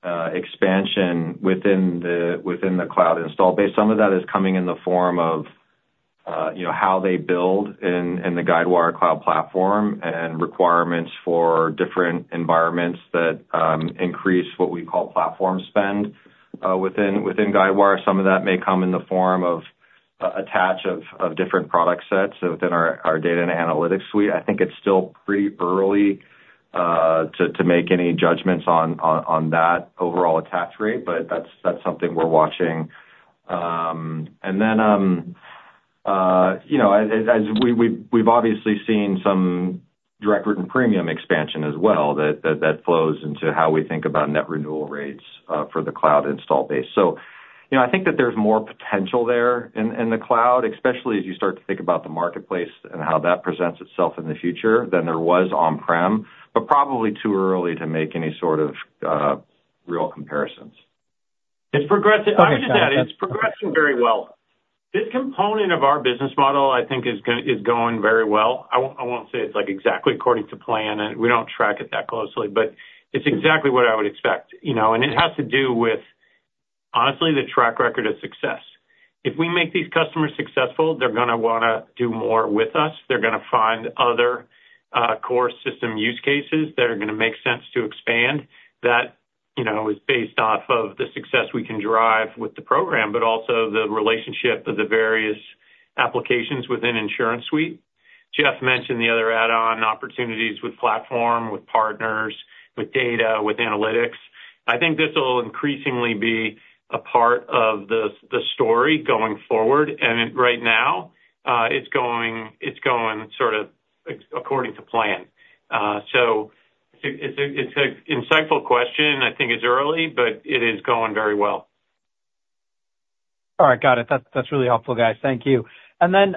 expansion within the cloud install base. Some of that is coming in the form of, you know, how they build in the Guidewire Cloud Platform and requirements for different environments that increase what we call platform spend. Within Guidewire, some of that may come in the form of a attach of different product sets within our data and analytics suite. I think it's still pretty early to make any judgments on that overall attach rate, but that's something we're watching. And then, you know, as we've obviously seen some direct written premium expansion as well, that flows into how we think about net renewal rates for the cloud installed base, so you know, I think that there's more potential there in the cloud, especially as you start to think about the marketplace and how that presents itself in the future than there was on-prem, but probably too early to make any sort of real comparisons. It's progressing. I would just add, it's progressing very well. This component of our business model, I think, is going very well. I won't say it's like exactly according to plan, and we don't track it that closely, but it's exactly what I would expect, you know, and it has to do with, honestly, the track record of success. If we make these customers successful, they're gonna wanna do more with us. They're gonna find other core system use cases that are gonna make sense to expand, that, you know, is based off of the success we can drive with the program, but also the relationship of the various applications within InsuranceSuite. Jeff mentioned the other add-on opportunities with platform, with partners, with data, with analytics. I think this will increasingly be a part of the story going forward, and right now, it's going sort of according to plan, so it's an insightful question. I think it's early, but it is going very well. All right, got it. That's really helpful, guys. Thank you. And then,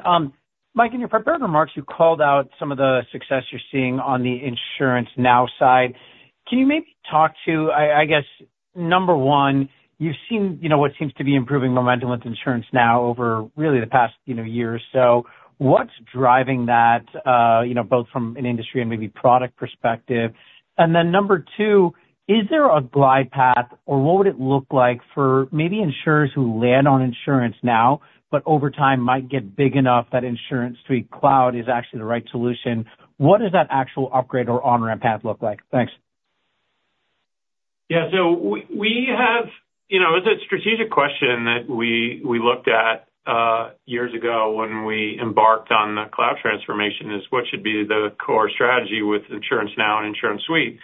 Mike, in your prepared remarks, you called out some of the success you're seeing on the InsuranceNow side. Can you maybe talk to... I guess, number one, you've seen, you know, what seems to be improving momentum with InsuranceNow over really the past, you know, year or so. What's driving that, you know, both from an industry and maybe product perspective? And then number two, is there a glide path, or what would it look like for maybe insurers who land on InsuranceNow, but over time might get big enough that InsuranceSuite cloud is actually the right solution? What does that actual upgrade or on-ramp path look like? Thanks. Yeah, so we have. You know, it's a strategic question that we looked at years ago when we embarked on the cloud transformation, is what should be the core strategy with InsuranceNow and InsuranceSuite?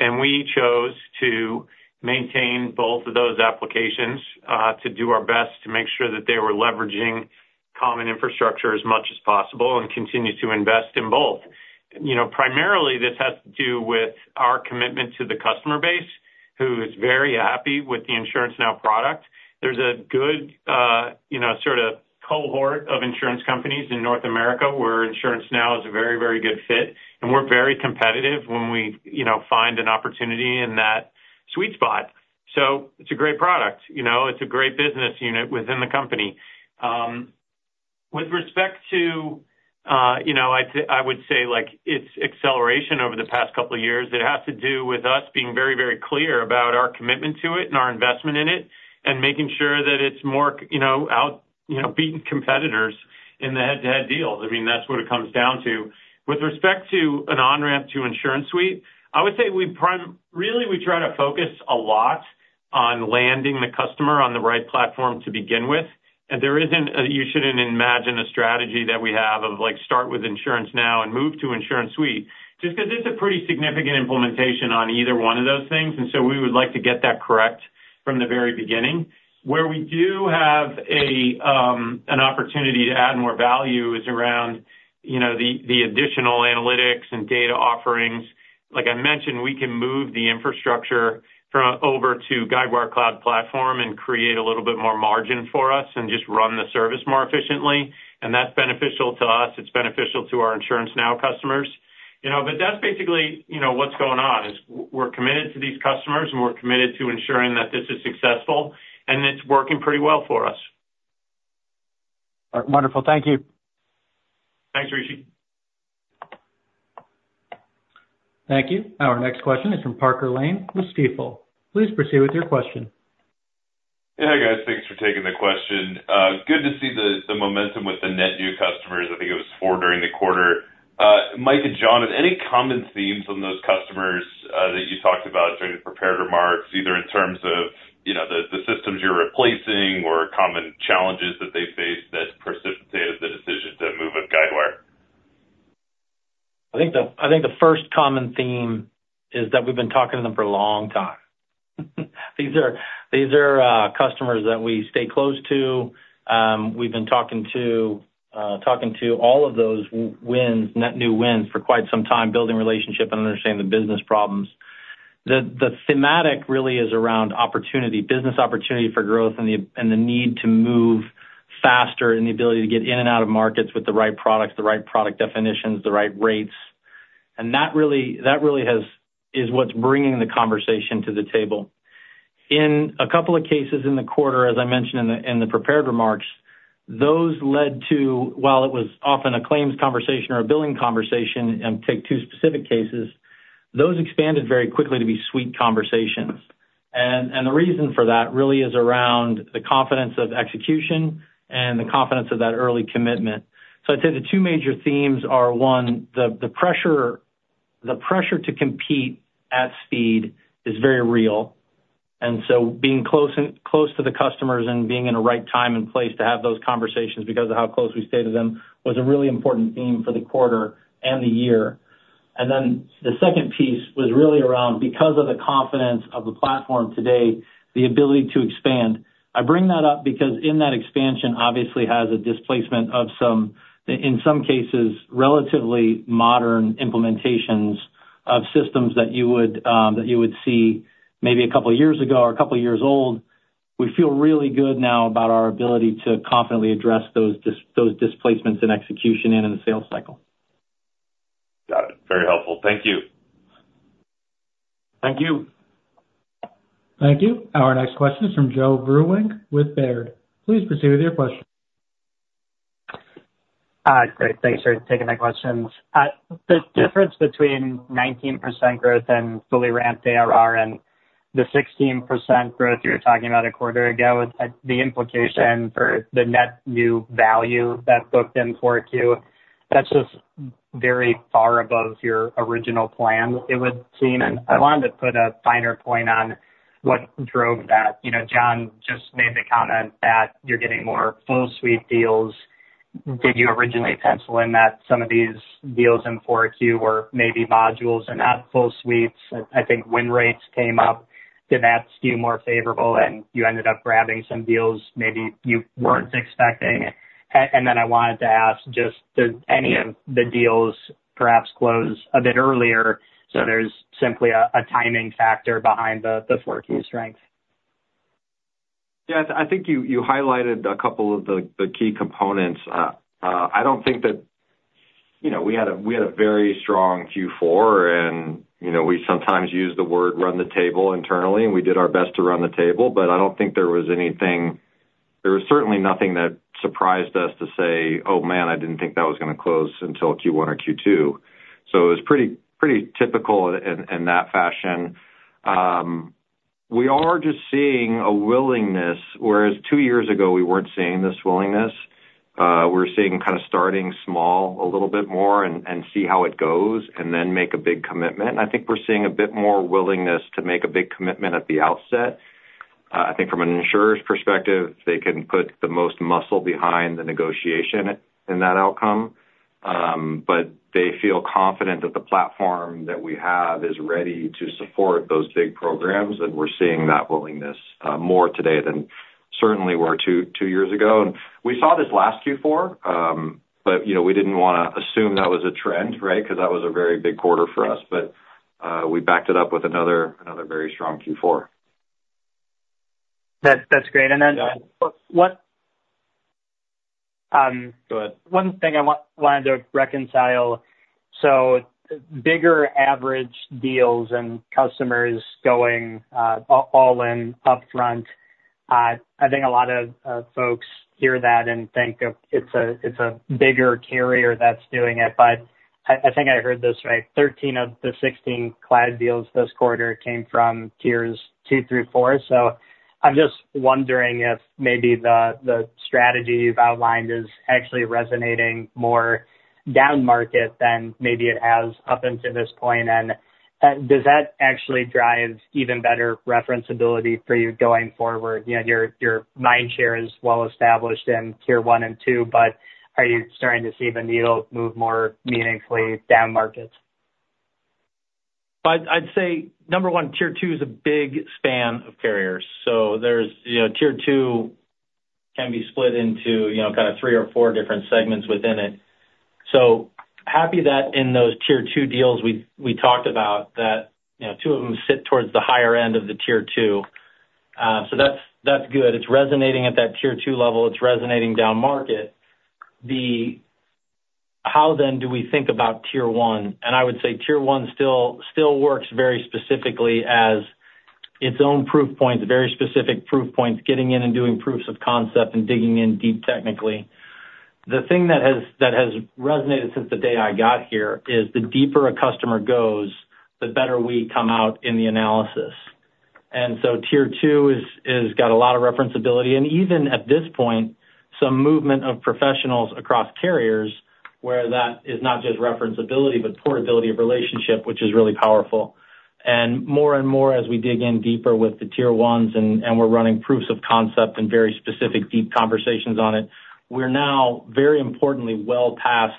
And we chose to maintain both of those applications to do our best to make sure that they were leveraging common infrastructure as much as possible and continue to invest in both. You know, primarily, this has to do with our commitment to the customer base, who is very happy with the InsuranceNow product. There's a good, you know, sort of cohort of insurance companies in North America, where InsuranceNow is a very, very good fit, and we're very competitive when we, you know, find an opportunity in that sweet spot. So it's a great product, you know, it's a great business unit within the company. With respect to, you know, I would say, like, its acceleration over the past couple of years, it has to do with us being very, very clear about our commitment to it and our investment in it, and making sure that it's more, you know, out, you know, beating competitors in the head-to-head deals. I mean, that's what it comes down to. With respect to an on-ramp to InsuranceSuite, I would say we primarily really try to focus a lot on landing the customer on the right platform to begin with. You shouldn't imagine a strategy that we have of, like, start with InsuranceNow and move to InsuranceSuite, just 'cause it's a pretty significant implementation on either one of those things, and so we would like to get that correct from the very beginning. Where we do have an opportunity to add more value is around, you know, the additional analytics and data offerings. Like I mentioned, we can move the infrastructure from over to Guidewire Cloud Platform and create a little bit more margin for us and just run the service more efficiently, and that's beneficial to us, it's beneficial to our InsuranceNow customers. You know, but that's basically, you know, what's going on is we're committed to these customers, and we're committed to ensuring that this is successful, and it's working pretty well for us. Wonderful. Thank you. Thanks, Rishi. Thank you. Our next question is from Parker Lane with Stifel. Please proceed with your question. Yeah, hi, guys. Thanks for taking the question. Good to see the momentum with the net new customers. I think it was four during the quarter. Mike and John, are there any common themes from those customers that you talked about during the prepared remarks, either in terms of, you know, the systems you're replacing or common challenges that they face that precipitated the decision to move with Guidewire? I think the first common theme is that we've been talking to them for a long time. These are customers that we stay close to. We've been talking to all of those wins, net new wins for quite some time, building relationship and understanding the business problems. The thematic really is around opportunity, business opportunity for growth and the need to move faster and the ability to get in and out of markets with the right products, the right product definitions, the right rates. And that really is what's bringing the conversation to the table. In a couple of cases in the quarter, as I mentioned in the prepared remarks, those led to, while it was often a claims conversation or a billing conversation, and take two specific cases, those expanded very quickly to be suite conversations. And the reason for that really is around the confidence of execution and the confidence of that early commitment. So I'd say the two major themes are, one, the pressure to compete at speed is very real, and so being close to the customers and being in the right time and place to have those conversations because of how close we stay to them, was a really important theme for the quarter and the year. And then the second piece was really around, because of the confidence of the platform today, the ability to expand. I bring that up because in that expansion obviously has a displacement of some, in some cases, relatively modern implementations of systems that you would, that you would see maybe a couple of years ago or a couple of years old. We feel really good now about our ability to confidently address those displacements in execution and in the sales cycle. Got it. Very helpful. Thank you. Thank you. Thank you. Our next question is from Joe Vruwink with Baird. Please proceed with your question. Great. Thanks for taking my questions. The difference between 19% growth and fully ramped ARR and the 16% growth you were talking about a quarter ago is, like, the implication for the net new value that's booked in Q4. That's just very far above your original plan, it would seem. And I wanted to put a finer point on what drove that. You know, John just made the comment that you're getting more full suite deals. Did you originally pencil in that some of these deals in Q4 were maybe modules and not full suites? I think win rates came up. Did that skew more favorable and you ended up grabbing some deals maybe you weren't expecting? And then I wanted to ask, just, did any of the deals perhaps close a bit earlier, so there's simply a timing factor behind the Q4 strength? Yeah, I think you highlighted a couple of the key components. I don't think that. You know, we had a very strong Q4, and, you know, we sometimes use the word run the table internally, and we did our best to run the table, but I don't think there was anything. There was certainly nothing that surprised us to say, "Oh, man, I didn't think that was gonna close until Q1 or Q2." So it was pretty typical in that fashion. We are just seeing a willingness, whereas two years ago we weren't seeing this willingness. We're seeing kind of starting small a little bit more and see how it goes, and then make a big commitment. And I think we're seeing a bit more willingness to make a big commitment at the outset. I think from an insurer's perspective, they can put the most muscle behind the negotiation in that outcome, but they feel confident that the platform that we have is ready to support those big programs, and we're seeing that willingness more today than certainly were two years ago, and we saw this last Q4, but you know, we didn't wanna assume that was a trend, right? Because that was a very big quarter for us, but we backed it up with another very strong Q4.... That's great. And then what one thing I wanted to reconcile, so bigger average deals and customers going all in upfront. I think a lot of folks hear that and think that it's a bigger carrier that's doing it, but I think I heard this right, 13 of the 16 cloud deals this quarter came from Tiers 2 through Tier 4. So I'm just wondering if maybe the strategy you've outlined is actually resonating more downmarket than maybe it has up until this point. And does that actually drive even better referenceability for you going forward? You know, your mind share is well established in Tier 1 and Tier 2, but are you starting to see the needle move more meaningfully down markets? But I'd say, number one, Tier 2 is a big span of carriers. So there's, you know, Tier 2 can be split into, you know, kind of three or four different segments within it. So happy that in those Tier 2 deals, we talked about that, you know, two of them sit towards the higher end of the Tier 2. So that's good. It's resonating at that Tier 2 level. It's resonating downmarket. How then do we think about Tier 1? And I would say Tier 1 still works very specifically as its own proof points, very specific proof points, getting in and doing proofs of concept and digging in deep technically. The thing that has resonated since the day I got here is the deeper a customer goes, the better we come out in the analysis. And so Tier 2 is got a lot of referenceability, and even at this point, some movement of professionals across carriers, where that is not just referenceability, but portability of relationship, which is really powerful. And more and more, as we dig in deeper with the Tier 1s, and we're running proofs of concept and very specific, deep conversations on it, we're now very importantly well past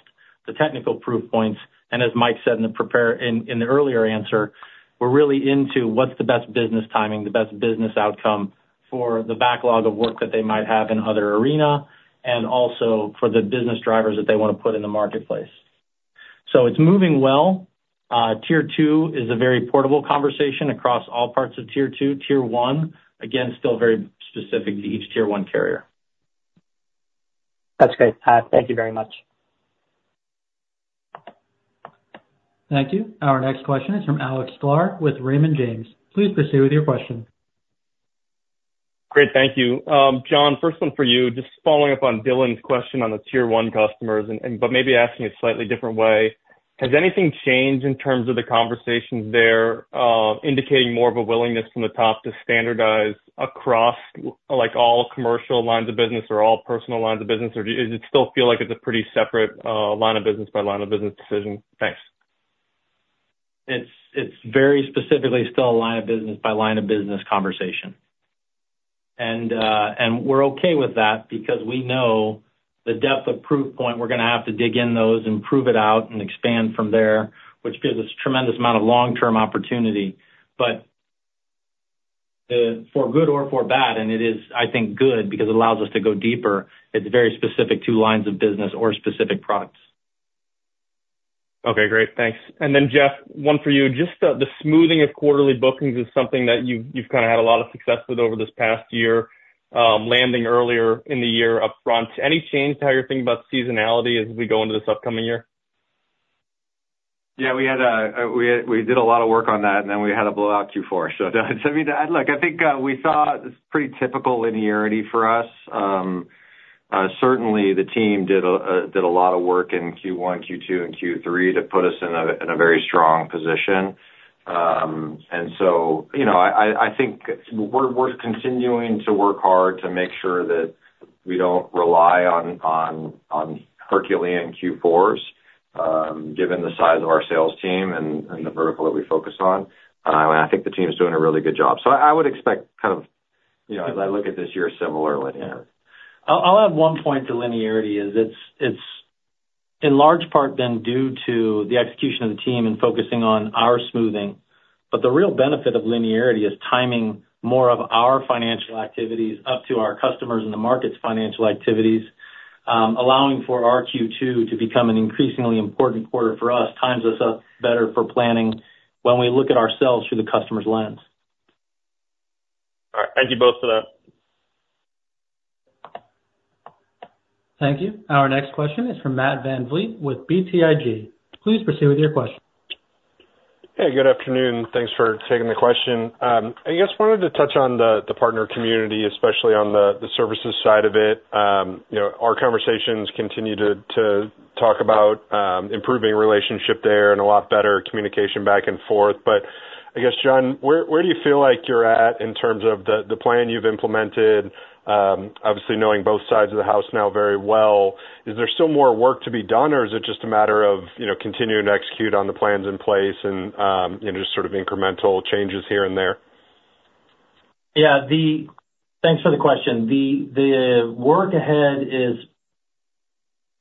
the technical proof points. And as Mike said in the prepared answer, we're really into what's the best business timing, the best business outcome for the backlog of work that they might have in other arena, and also for the business drivers that they want to put in the marketplace. So it's moving well. Tier 2 is a very portable conversation across all parts of Tier 2. Tier 1, again, still very specific to each Tier 1 carrier. That's great. Thank you very much. Thank you. Our next question is from Alex Sklar with Raymond James. Please proceed with your question. Great, thank you. John, first one for you, just following up on Dylan's question on the Tier 1 customers and but maybe asking a slightly different way, has anything changed in terms of the conversations there, indicating more of a willingness from the top to standardize across, like, all commercial lines of business or all personal lines of business? Or does it still feel like it's a pretty separate, line of business by line of business decision? Thanks. It's, it's very specifically still a line of business by line of business conversation. And, and we're okay with that because we know the depth of proof point, we're gonna have to dig in those and prove it out and expand from there, which gives us tremendous amount of long-term opportunity. But, for good or for bad, and it is, I think, good, because it allows us to go deeper, it's very specific to lines of business or specific products. Okay, great. Thanks. And then, Jeff, one for you. Just the smoothing of quarterly bookings is something that you've kind of had a lot of success with over this past year, landing earlier in the year upfront. Any change to how you're thinking about seasonality as we go into this upcoming year? Yeah, we had a we did a lot of work on that, and then we had a blowout Q4. So, I mean, look, I think we saw pretty typical linearity for us. Certainly, the team did a lot of work in Q1, Q2, and Q3 to put us in a very strong position. And so, you know, I think we're continuing to work hard to make sure that we don't rely on Herculean Q4s, given the size of our sales team and the vertical that we focus on. And I think the team's doing a really good job. So I would expect kind of, you know, as I look at this year, similar linearity. I'll add one point to linearity. It's in large part been due to the execution of the team and focusing on our smoothing. But the real benefit of linearity is timing more of our financial activities up to our customers and the market's financial activities, allowing for our Q2 to become an increasingly important quarter for us, times us up better for planning when we look at ourselves through the customer's lens. All right. Thank you both for that. Thank you. Our next question is from Matt VanVliet with BTIG. Please proceed with your question. Hey, good afternoon. Thanks for taking the question. I just wanted to touch on the partner community, especially on the services side of it. You know, our conversations continue to talk about improving relationship there and a lot better communication back and forth. But I guess, John, where do you feel like you're at in terms of the plan you've implemented? Obviously, knowing both sides of the house now very well, is there still more work to be done, or is it just a matter of, you know, continuing to execute on the plans in place and, you know, just sort of incremental changes here and there? Yeah, thanks for the question. The work ahead is,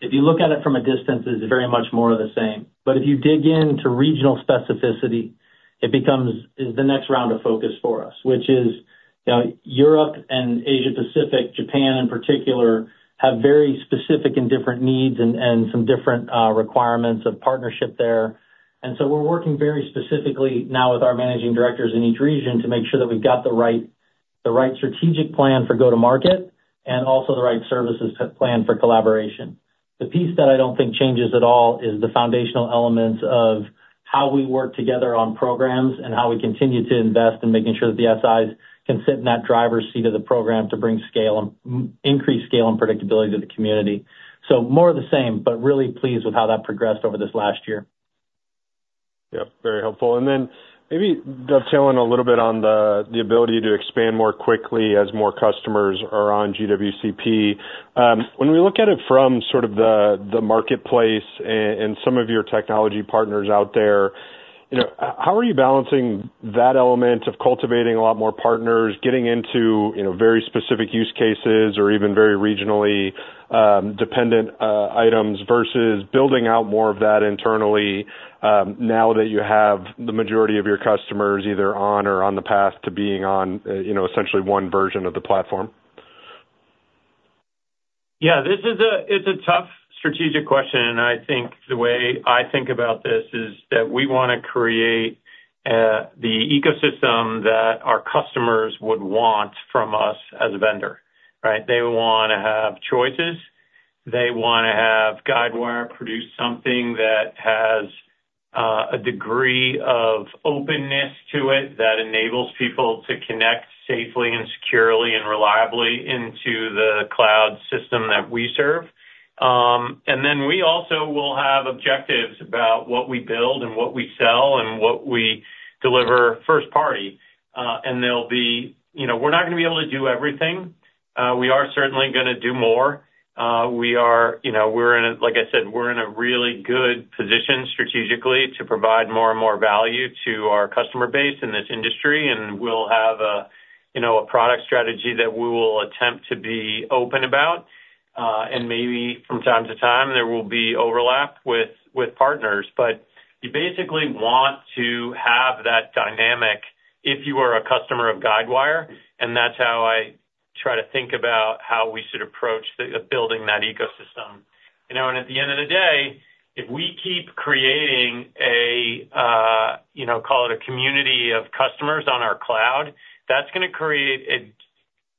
if you look at it from a distance, very much more of the same. But if you dig into regional specificity, it becomes the next round of focus for us, which is, you know, Europe and Asia Pacific, Japan in particular, have very specific and different needs and some different requirements of partnership there. And so we're working very specifically now with our managing directors in each region to make sure that we've got the right- The right strategic plan for go-to-market, and also the right services to plan for collaboration. The piece that I don't think changes at all is the foundational elements of how we work together on programs and how we continue to invest in making sure that the SIs can sit in that driver's seat of the program to bring scale and increase scale and predictability to the community. So more of the same, but really pleased with how that progressed over this last year. Yep, very helpful. And then maybe dovetailing a little bit on the ability to expand more quickly as more customers are on GWCP. When we look at it from sort of the marketplace and some of your technology partners out there, you know, how are you balancing that element of cultivating a lot more partners, getting into, you know, very specific use cases or even very regionally dependent items versus building out more of that internally, now that you have the majority of your customers either on or on the path to being on, you know, essentially one version of the platform? Yeah, this is a tough strategic question, and I think the way I think about this is that we wanna create the ecosystem that our customers would want from us as a vendor, right? They wanna have choices. They wanna have Guidewire produce something that has a degree of openness to it that enables people to connect safely and securely and reliably into the cloud system that we serve. And then we also will have objectives about what we build and what we sell and what we deliver first party. And they'll be, you know, we're not gonna be able to do everything. We are certainly gonna do more. We are, you know, we're in a—like I said, we're in a really good position strategically to provide more and more value to our customer base in this industry, and we'll have a, you know, a product strategy that we will attempt to be open about. And maybe from time to time, there will be overlap with partners. But you basically want to have that dynamic if you are a customer of Guidewire, and that's how I try to think about how we should approach the building that ecosystem. You know, and at the end of the day, if we keep creating a, you know, call it a community of customers on our cloud, that's gonna create a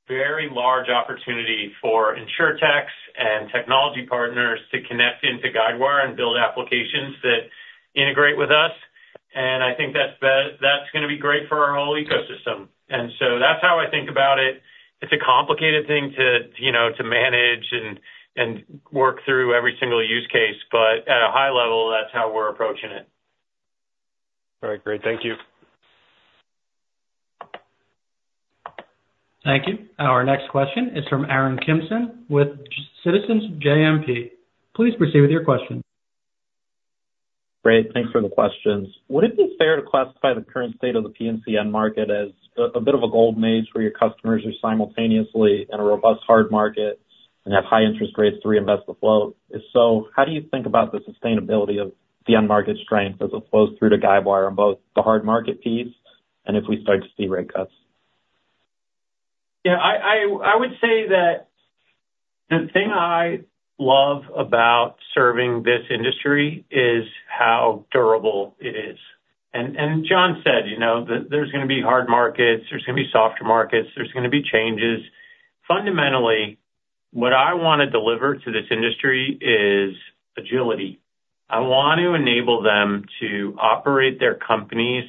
very large opportunity for insurtechs and technology partners to connect into Guidewire and build applications that integrate with us. I think that's gonna be great for our whole ecosystem. So that's how I think about it. It's a complicated thing to, you know, to manage and, and work through every single use case, but at a high level, that's how we're approaching it. All right, great. Thank you. Thank you. Our next question is from Aaron Kimson with Citizens JMP. Please proceed with your question. Great, thanks for the questions. Would it be fair to classify the current state of the P&C market as a bit of a gold maze, where your customers are simultaneously in a robust hard market and have high interest rates to reinvest the float? If so, how do you think about the sustainability of the end market strength as it flows through to Guidewire on both the hard market piece, and if we start to see rate cuts? Yeah, I would say that the thing I love about serving this industry is how durable it is. And John said, you know, that there's gonna be hard markets, there's gonna be softer markets, there's gonna be changes. Fundamentally, what I wanna deliver to this industry is agility. I want to enable them to operate their companies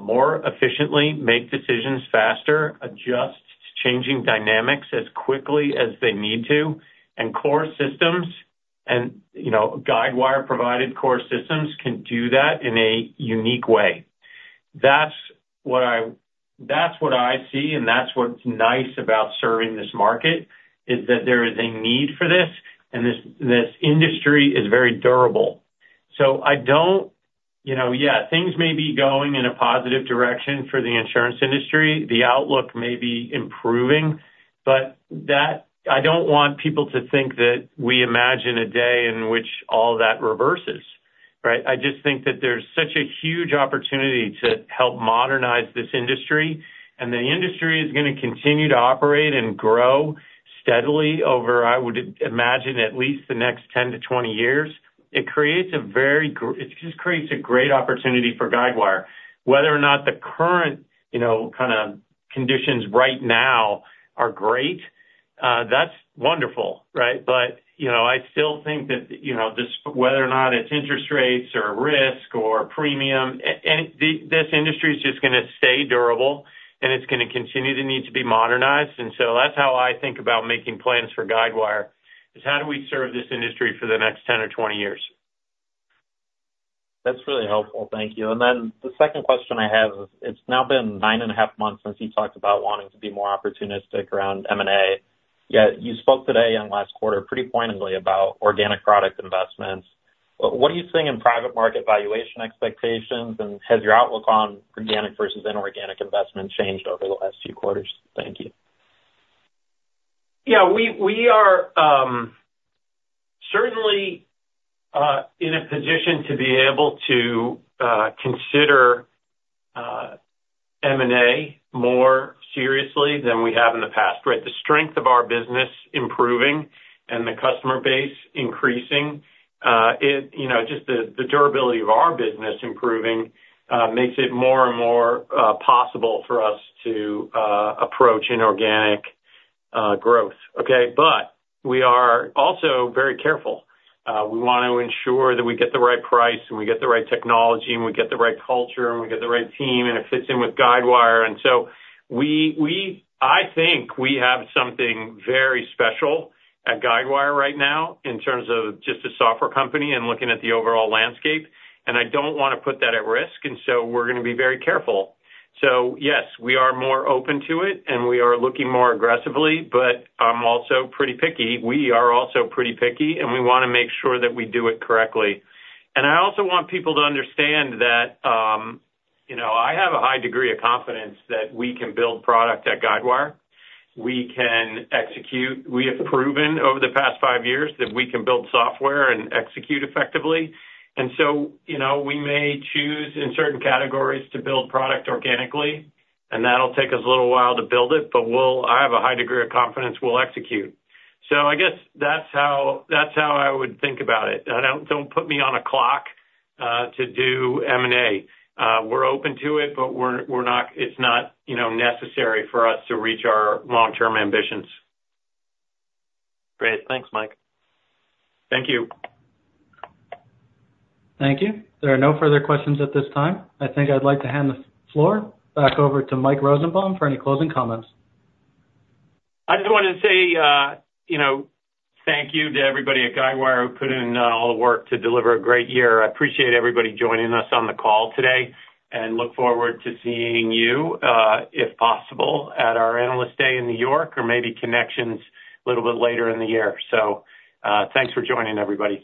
more efficiently, make decisions faster, adjust to changing dynamics as quickly as they need to. And core systems and, you know, Guidewire-provided core systems can do that in a unique way. That's what I see, and that's what's nice about serving this market, is that there is a need for this, and this industry is very durable. So I don't. You know, yeah, things may be going in a positive direction for the insurance industry. The outlook may be improving, but that, I don't want people to think that we imagine a day in which all that reverses, right? I just think that there's such a huge opportunity to help modernize this industry, and the industry is gonna continue to operate and grow steadily over, I would imagine, at least the next 10 years-20 years. It creates a very, it just creates a great opportunity for Guidewire. Whether or not the current, you know, kind of conditions right now are great, that's wonderful, right? But, you know, I still think that, you know, this, whether or not it's interest rates or risk or premium, this industry is just gonna stay durable, and it's gonna continue to need to be modernized. And so that's how I think about making plans for Guidewire, is how do we serve this industry for the next 10 or 20 years? That's really helpful. Thank you. And then the second question I have is, it's now been nine and a half months since you talked about wanting to be more opportunistic around M&A, yet you spoke today and last quarter pretty pointedly about organic product investments. What are you seeing in private market valuation expectations, and has your outlook on organic versus inorganic investment changed over the last few quarters? Thank you. Yeah, we are certainly in a position to be able to consider M&A more seriously than we have in the past, right? The strength of our business improving and the customer base increasing, it, you know, just the durability of our business improving makes it more and more possible for us to approach inorganic growth, okay? But we are also very careful. We want to ensure that we get the right price, and we get the right technology, and we get the right culture, and we get the right team, and it fits in with Guidewire. And so we, I think we have something very special at Guidewire right now in terms of just a software company and looking at the overall landscape, and I don't wanna put that at risk, and so we're gonna be very careful. So yes, we are more open to it, and we are looking more aggressively, but I'm also pretty picky. We are also pretty picky, and we wanna make sure that we do it correctly. And I also want people to understand that, you know, I have a high degree of confidence that we can build product at Guidewire. We can execute. We have proven over the past five years that we can build software and execute effectively. And so, you know, we may choose, in certain categories, to build product organically, and that'll take us a little while to build it, but we'll. I have a high degree of confidence we'll execute. So I guess that's how, that's how I would think about it. Don't, don't put me on a clock to do M&A. We're open to it, but we're not. It's not, you know, necessary for us to reach our long-term ambitions. Great. Thanks, Mike. Thank you. Thank you. There are no further questions at this time. I think I'd like to hand the floor back over to Mike Rosenbaum for any closing comments. I just wanted to say, you know, thank you to everybody at Guidewire who put in all the work to deliver a great year. I appreciate everybody joining us on the call today, and look forward to seeing you, if possible, at our Analyst Day in New York or maybe Connections a little bit later in the year. So, thanks for joining, everybody.